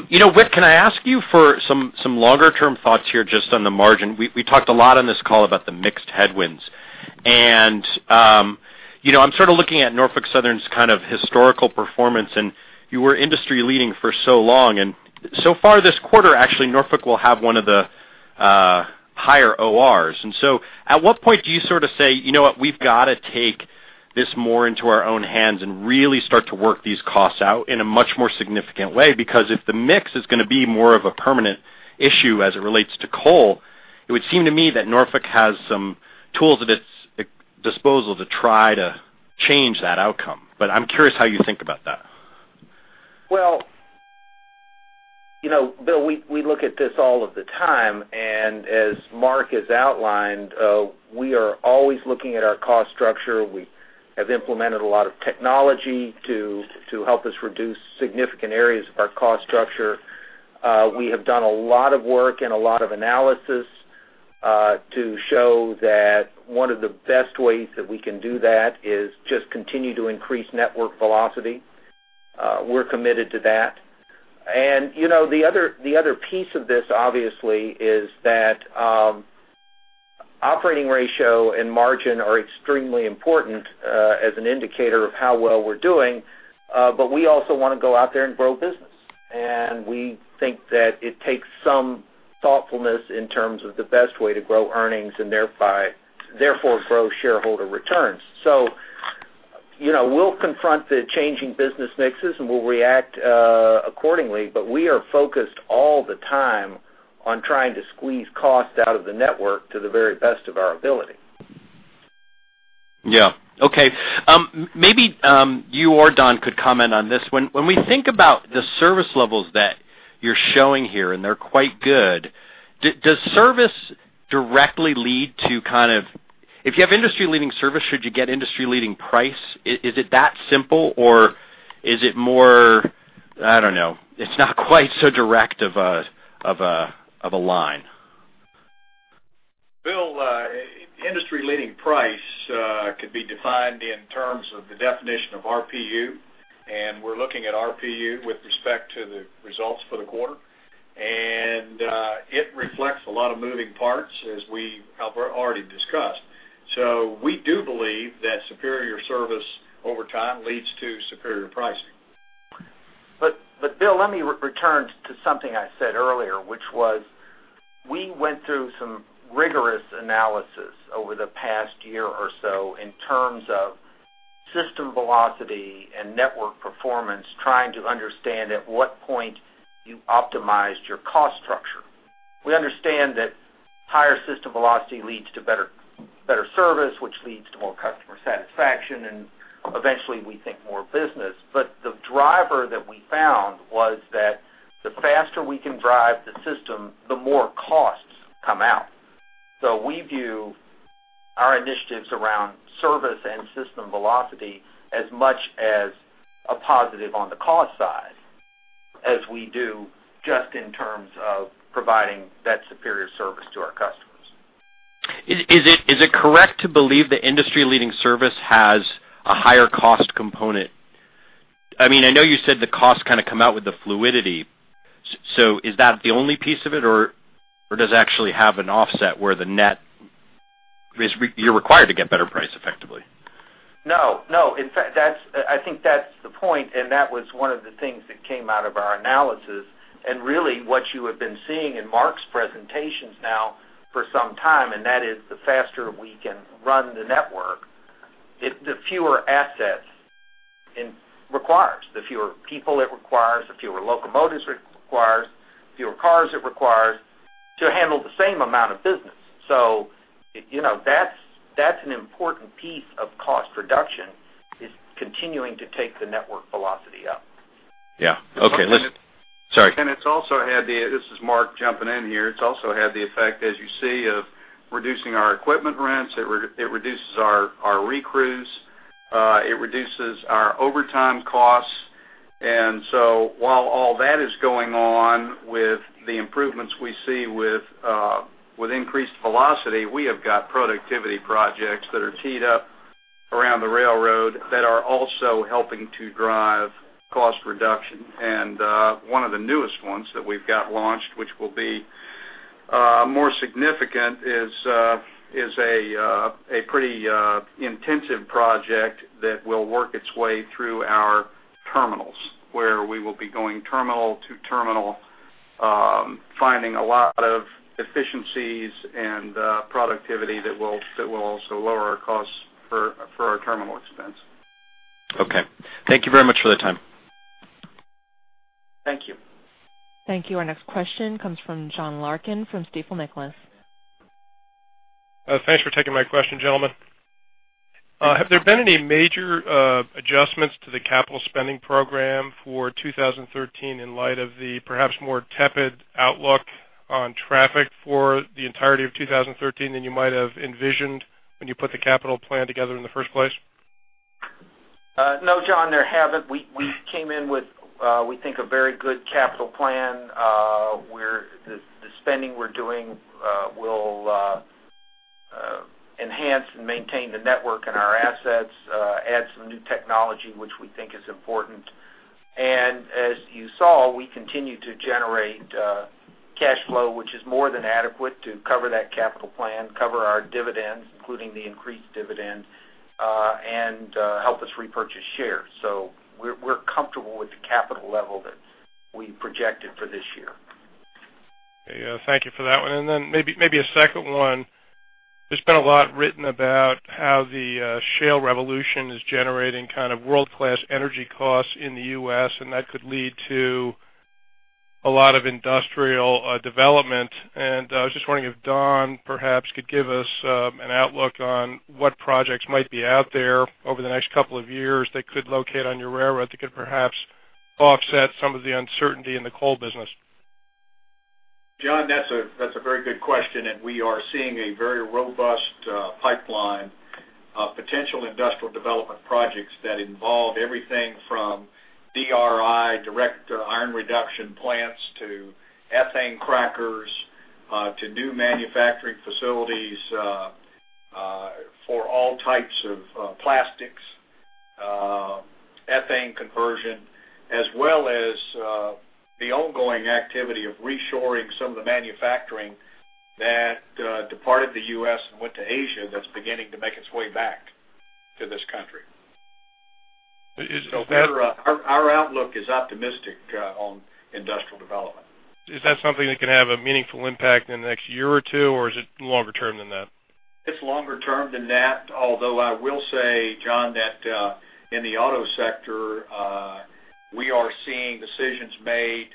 Speaker 15: You know, Wick, can I ask you for some longer-term thoughts here, just on the margin? We talked a lot on this call about the mix headwinds. And, you know, I'm sort of looking at Norfolk Southern's kind of historical performance, and you were industry-leading for so long, and so far, this quarter, actually, Norfolk will have one of the higher ORs. And so at what point do you sort of say, "You know what? We've gotta take this more into our own hands and really start to work these costs out in a much more significant way." Because if the mix is gonna be more of a permanent issue as it relates to coal, it would seem to me that Norfolk has some tools at its disposal to try to change that outcome. But I'm curious how you think about that.
Speaker 3: Well, you know, Bill, we look at this all of the time, and as Mark has outlined, we are always looking at our cost structure. We have implemented a lot of technology to help us reduce significant areas of our cost structure. We have done a lot of work and a lot of analysis to show that one of the best ways that we can do that is just continue to increase network velocity. We're committed to that. And, you know, the other piece of this, obviously, is that operating ratio and margin are extremely important as an indicator of how well we're doing, but we also wanna go out there and grow business. And we think that it takes some thoughtfulness in terms of the best way to grow earnings and thereby, therefore, grow shareholder returns. You know, we'll confront the changing business mixes, and we'll react accordingly, but we are focused all the time on trying to squeeze costs out of the network to the very best of our ability.
Speaker 15: Yeah. Okay. Maybe you or Don could comment on this one. When we think about the service levels that you're showing here, and they're quite good, does service directly lead to kind of... If you have industry-leading service, should you get industry-leading price? Is it that simple, or is it more, I don't know, it's not quite so direct of a line?
Speaker 4: Bill, industry-leading price could be defined in terms of the definition of RPU, and we're looking at RPU with respect to the results for the quarter. It reflects a lot of moving parts, as we have already discussed. We do believe that superior service over time leads to superior pricing.
Speaker 3: But, Bill, let me return to something I said earlier, which was, we went through some rigorous analysis over the past year or so in terms of system velocity and network performance, trying to understand at what point you optimized your cost structure. We understand that higher system velocity leads to better service, which leads to more customer satisfaction, and eventually, we think, more business. But the driver that we found was that the faster we can drive the system, the more costs come out. So we view our initiatives around service and system velocity as much as a positive on the cost side as we do just in terms of providing that superior service to our customers.
Speaker 15: Is it correct to believe that industry-leading service has a higher cost component? I mean, I know you said the costs kind of come out with the fluidity. So is that the only piece of it, or does it actually have an offset where the net is you're required to get better price, effectively?
Speaker 3: No, no. In fact, that's... I think that's the point, and that was one of the things that came out of our analysis, and really, what you have been seeing in Mark's presentations now for some time, and that is the faster we can run the network, it, the fewer assets it requires, the fewer people it requires, the fewer locomotives it requires, fewer cars it requires... to handle the same amount of business. So, you know, that's, that's an important piece of cost reduction, is continuing to take the network velocity up.
Speaker 15: Yeah. Okay, listen. Sorry.
Speaker 4: And it's also had the—this is Mark jumping in here. It's also had the effect, as you see, of reducing our equipment rents. It reduces our recrews, it reduces our overtime costs. And so while all that is going on with the improvements we see with increased velocity, we have got productivity projects that are teed up around the railroad that are also helping to drive cost reduction. And one of the newest ones that we've got launched, which will be more significant, is a pretty intensive project that will work its way through our terminals, where we will be going terminal to terminal, finding a lot of efficiencies and productivity that will also lower our costs for our terminal expense.
Speaker 15: Okay. Thank you very much for the time.
Speaker 3: Thank you.
Speaker 1: Thank you. Our next question comes from John Larkin from Stifel Nicolaus.
Speaker 16: Thanks for taking my question, gentlemen. Have there been any major adjustments to the capital spending program for 2013, in light of the perhaps more tepid outlook on traffic for the entirety of 2013 than you might have envisioned when you put the capital plan together in the first place?
Speaker 3: No, John, there haven't. We came in with, we think, a very good capital plan. The spending we're doing will enhance and maintain the network and our assets, add some new technology, which we think is important. And as you saw, we continue to generate cash flow, which is more than adequate to cover that capital plan, cover our dividends, including the increased dividend, and help us repurchase shares. So we're comfortable with the capital level that we projected for this year.
Speaker 16: Yeah, thank you for that one. And then maybe, maybe a second one. There's been a lot written about how the shale revolution is generating kind of world-class energy costs in the U.S., and that could lead to a lot of industrial development. And I was just wondering if Don perhaps could give us an outlook on what projects might be out there over the next couple of years that could locate on your railroad, that could perhaps offset some of the uncertainty in the coal business.
Speaker 4: John, that's a, that's a very good question, and we are seeing a very robust pipeline of potential industrial development projects that involve everything from DRI, direct iron reduction plants, to ethane crackers, to new manufacturing facilities for all types of plastics, ethane conversion, as well as the ongoing activity of reshoring some of the manufacturing that departed the U.S. and went to Asia, that's beginning to make its way back to this country.
Speaker 16: Is that-
Speaker 4: Our outlook is optimistic on industrial development.
Speaker 16: Is that something that can have a meaningful impact in the next year or two, or is it longer term than that?
Speaker 4: It's longer term than that, although I will say, John, that, in the auto sector, we are seeing decisions made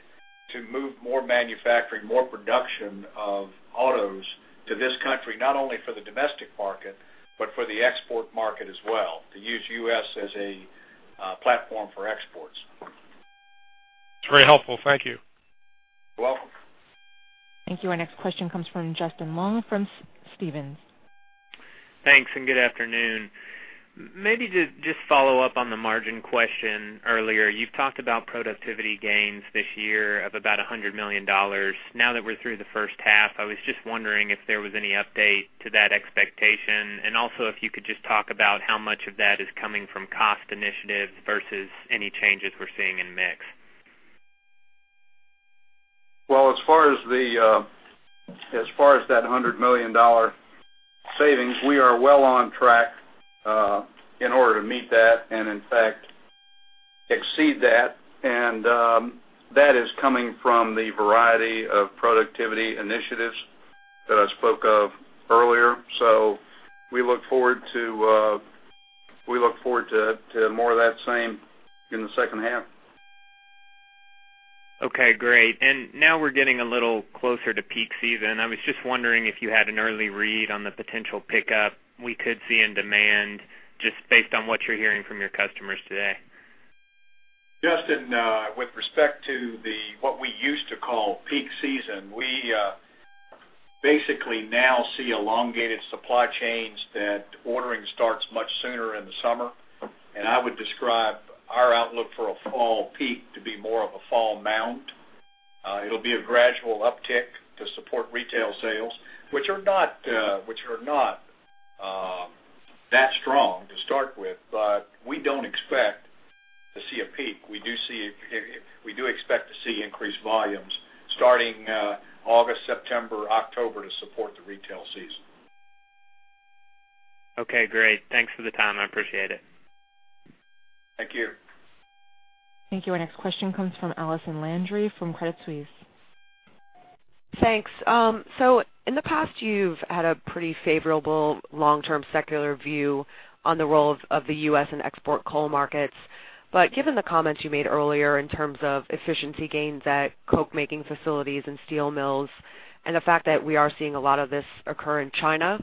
Speaker 4: to move more manufacturing, more production of autos to this country, not only for the domestic market, but for the export market as well, to use U.S. as a, platform for exports.
Speaker 16: It's very helpful. Thank you.
Speaker 4: You're welcome.
Speaker 1: Thank you. Our next question comes from Justin Long from Stephens.
Speaker 17: Thanks, and good afternoon. Maybe to just follow up on the margin question earlier, you've talked about productivity gains this year of about $100 million. Now that we're through the first half, I was just wondering if there was any update to that expectation, and also if you could just talk about how much of that is coming from cost initiatives versus any changes we're seeing in mix.
Speaker 4: Well, as far as the, as far as that $100 million savings, we are well on track, in order to meet that, and in fact, exceed that. And, that is coming from the variety of productivity initiatives that I spoke of earlier. So we look forward to, we look forward to, to more of that same in the second half.
Speaker 17: Okay, great. And now we're getting a little closer to peak season. I was just wondering if you had an early read on the potential pickup we could see in demand, just based on what you're hearing from your customers today.
Speaker 4: Justin, with respect to what we used to call peak season, we basically now see elongated supply chains that ordering starts much sooner in the summer. I would describe our outlook for a fall peak to be more of a fall mound. It'll be a gradual uptick to support retail sales, which are not that strong to start with. But we don't expect to see a peak. We do see, we do expect to see increased volumes starting August, September, October to support the retail season.
Speaker 17: Okay, great. Thanks for the time. I appreciate it.
Speaker 4: Thank you.
Speaker 1: Thank you. Our next question comes from Allison Landry from Credit Suisse....
Speaker 18: Thanks. So in the past, you've had a pretty favorable long-term secular view on the role of, of the U.S. and export coal markets. But given the comments you made earlier in terms of efficiency gains at coke-making facilities and steel mills, and the fact that we are seeing a lot of this occur in China,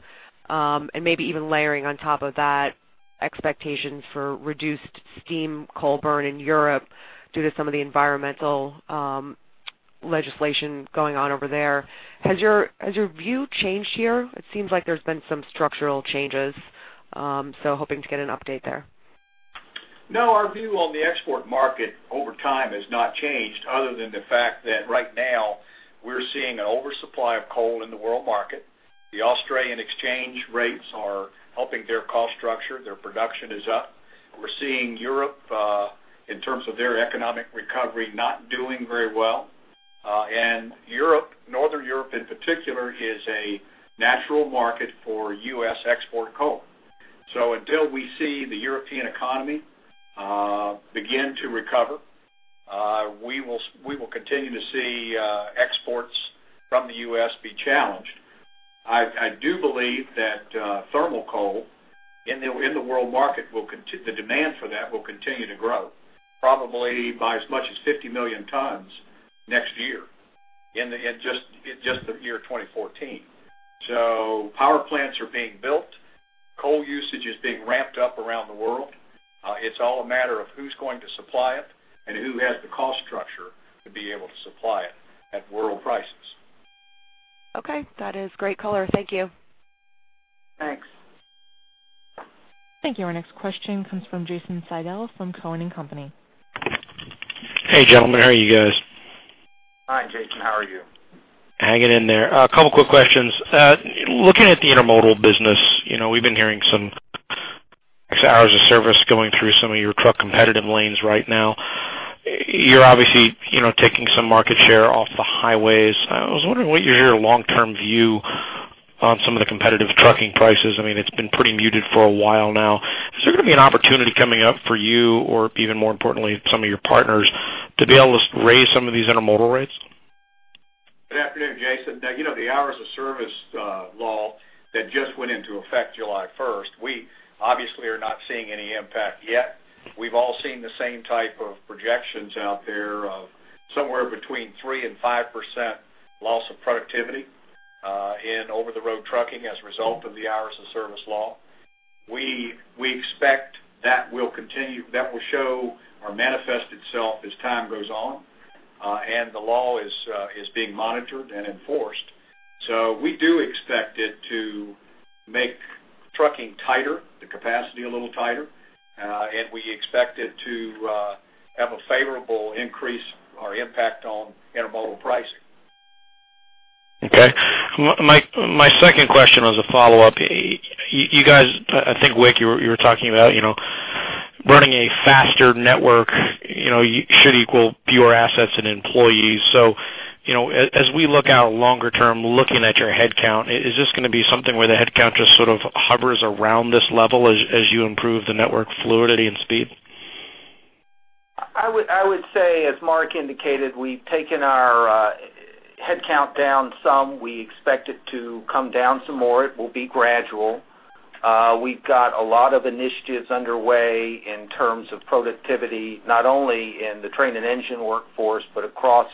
Speaker 18: and maybe even layering on top of that, expectations for reduced steam coal burn in Europe due to some of the environmental, legislation going on over there, has your, has your view changed here? It seems like there's been some structural changes. So hoping to get an update there.
Speaker 4: No, our view on the export market over time has not changed other than the fact that right now, we're seeing an oversupply of coal in the world market. The Australian exchange rates are helping their cost structure. Their production is up. We're seeing Europe in terms of their economic recovery, not doing very well. And Europe, Northern Europe, in particular, is a natural market for U.S. export coal. So until we see the European economy begin to recover, we will continue to see exports from the U.S. be challenged. I, I do believe that thermal coal in the world market, the demand for that, will continue to grow, probably by as much as 50 million tons next year, in just the year 2014. So power plants are being built, coal usage is being ramped up around the world. It's all a matter of who's going to supply it and who has the cost structure to be able to supply it at world prices.
Speaker 18: Okay, that is great color. Thank you.
Speaker 4: Thanks.
Speaker 1: Thank you. Our next question comes from Jason Seidl from Cowen and Company.
Speaker 19: Hey, gentlemen, how are you guys?
Speaker 4: Hi, Jason. How are you?
Speaker 19: Hanging in there. A couple quick questions. Looking at the intermodal business, you know, we've been hearing some hours of service going through some of your truck competitive lanes right now. You're obviously, you know, taking some market share off the highways. I was wondering what your long-term view on some of the competitive trucking prices. I mean, it's been pretty muted for a while now. Is there gonna be an opportunity coming up for you or even more importantly, some of your partners, to be able to raise some of these intermodal rates?
Speaker 4: Good afternoon, Jason. You know, the hours of service law that just went into effect July 1st, we obviously are not seeing any impact yet. We've all seen the same type of projections out there of somewhere between 3%-5% loss of productivity in over-the-road trucking as a result of the hours of service law. We expect that will continue—that will show or manifest itself as time goes on, and the law is being monitored and enforced. So we do expect it to make trucking tighter, the capacity a little tighter, and we expect it to have a favorable increase or impact on intermodal pricing.
Speaker 19: Okay. My second question was a follow-up. You guys, I think, Wick, you were talking about, you know, running a faster network, you know, should equal fewer assets and employees. So, you know, as we look out longer term, looking at your headcount, is this gonna be something where the headcount just sort of hovers around this level as you improve the network fluidity and speed?
Speaker 3: I would say, as Mark indicated, we've taken our headcount down some. We expect it to come down some more. It will be gradual. We've got a lot of initiatives underway in terms of productivity, not only in the train and engine workforce, but across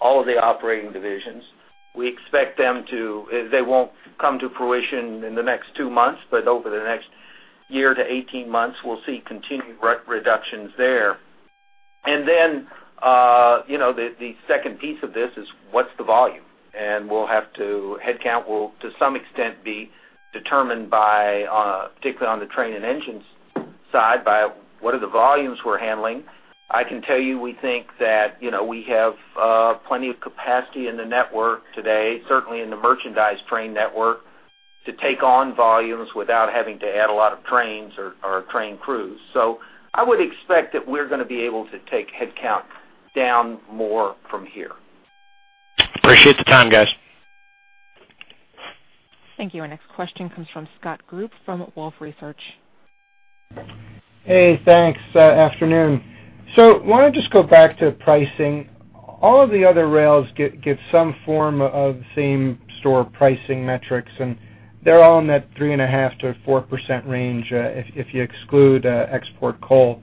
Speaker 3: all of the operating divisions. We expect them to... They won't come to fruition in the next two months, but over the next year to 18 months, we'll see continued reductions there. And then, you know, the second piece of this is, what's the volume? And we'll have to, headcount will, to some extent, be determined by, particularly on the train and engines side, by what are the volumes we're handling. I can tell you, we think that, you know, we have plenty of capacity in the network today, certainly in the merchandise train network, to take on volumes without having to add a lot of trains or train crews. So I would expect that we're gonna be able to take headcount down more from here.
Speaker 7: Appreciate the time, guys.
Speaker 1: Thank you. Our next question comes from Scott Group, from Wolfe Research.
Speaker 20: Hey, thanks. Afternoon. So wanna just go back to pricing. All of the other rails give some form of same-store pricing metrics, and they're all in that 3.5%-4% range, if you exclude export coal.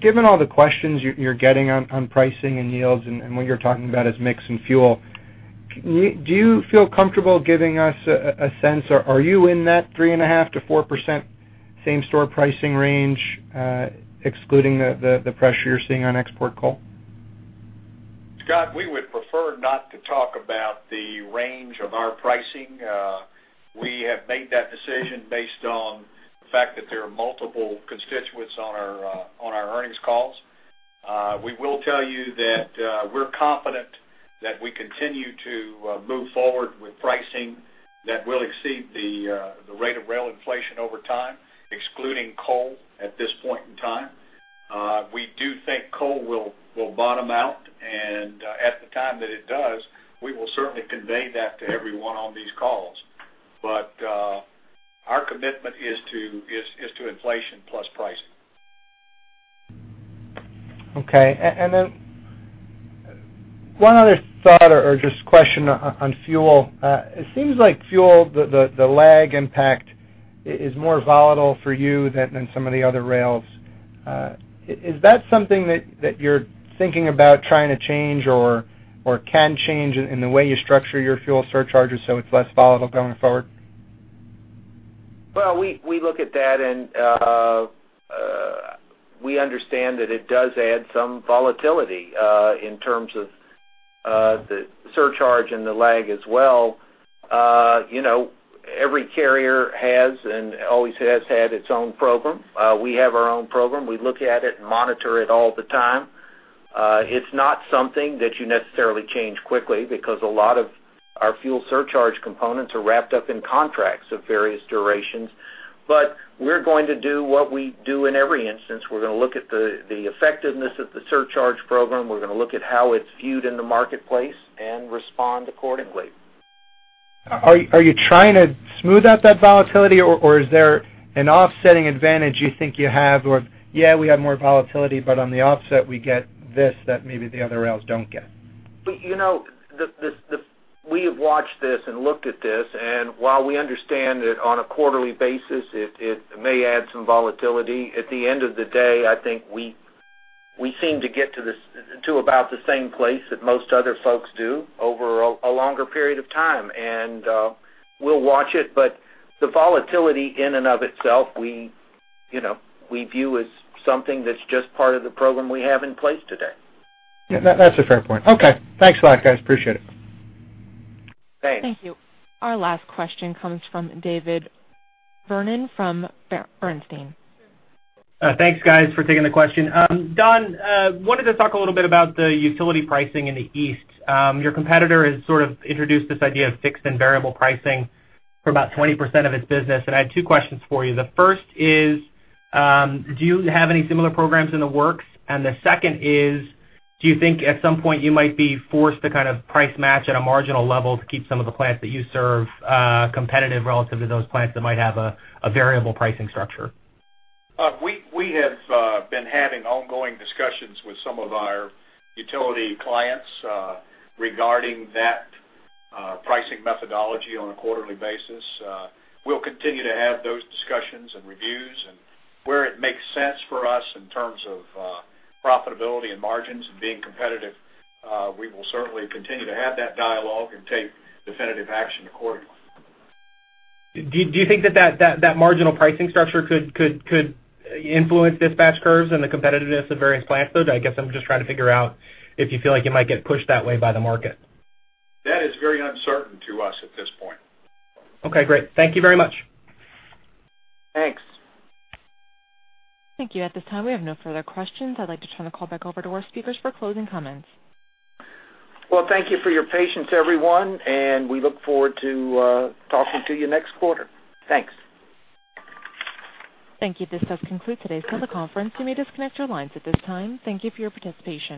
Speaker 20: Given all the questions you're getting on pricing and yields and what you're talking about as mix and fuel, do you feel comfortable giving us a sense, are you in that 3.5%-4% same-store pricing range, excluding the pressure you're seeing on export coal?
Speaker 4: Scott, we would prefer not to talk about the range of our pricing. We have made that decision based on the fact that there are multiple constituents on our earnings calls. We will tell you that we're confident that we continue to move forward with pricing that will exceed the rate of rail inflation over time, excluding coal at this point in time. We do think coal will bottom out, and at the time that it does, we will certainly convey that to everyone on these calls. But our commitment is to inflation plus pricing....
Speaker 20: Okay, and then one other thought or just question on fuel. It seems like fuel, the lag impact is more volatile for you than some of the other rails. Is that something that you're thinking about trying to change or can change in the way you structure your fuel surcharges, so it's less volatile going forward?
Speaker 3: Well, we look at that, and we understand that it does add some volatility in terms of the surcharge and the lag as well. You know, every carrier has and always has had its own program. We have our own program. We look at it and monitor it all the time. It's not something that you necessarily change quickly because a lot of our fuel surcharge components are wrapped up in contracts of various durations. But we're going to do what we do in every instance. We're gonna look at the effectiveness of the surcharge program. We're gonna look at how it's viewed in the marketplace and respond accordingly.
Speaker 20: Are you trying to smooth out that volatility, or is there an offsetting advantage you think you have or, "Yeah, we have more volatility, but on the offset, we get this, that maybe the other rails don't get?
Speaker 3: But, you know, we have watched this and looked at this, and while we understand that on a quarterly basis, it may add some volatility, at the end of the day, I think we seem to get to this, to about the same place that most other folks do over a longer period of time. And we'll watch it, but the volatility in and of itself, you know, we view as something that's just part of the program we have in place today.
Speaker 20: Yeah, that, that's a fair point. Okay. Thanks a lot, guys. Appreciate it.
Speaker 3: Thanks.
Speaker 1: Thank you. Our last question comes from David Vernon from Bernstein.
Speaker 21: Thanks, guys, for taking the question. Don, wanted to talk a little bit about the utility pricing in the East. Your competitor has sort of introduced this idea of fixed and variable pricing for about 20% of its business, and I had two questions for you. The first is, do you have any similar programs in the works? And the second is, do you think at some point you might be forced to kind of price match at a marginal level to keep some of the plants that you serve, competitive relative to those plants that might have a, a variable pricing structure?
Speaker 4: We have been having ongoing discussions with some of our utility clients regarding that pricing methodology on a quarterly basis. We'll continue to have those discussions and reviews, and where it makes sense for us in terms of profitability and margins and being competitive, we will certainly continue to have that dialogue and take definitive action accordingly.
Speaker 21: Do you think that marginal pricing structure could influence dispatch curves and the competitiveness of various plants, though? I guess I'm just trying to figure out if you feel like you might get pushed that way by the market.
Speaker 4: That is very uncertain to us at this point.
Speaker 21: Okay, great. Thank you very much.
Speaker 3: Thanks.
Speaker 1: Thank you. At this time, we have no further questions. I'd like to turn the call back over to our speakers for closing comments.
Speaker 3: Well, thank you for your patience, everyone, and we look forward to talking to you next quarter. Thanks.
Speaker 1: Thank you. This does conclude today's teleconference. You may disconnect your lines at this time. Thank you for your participation.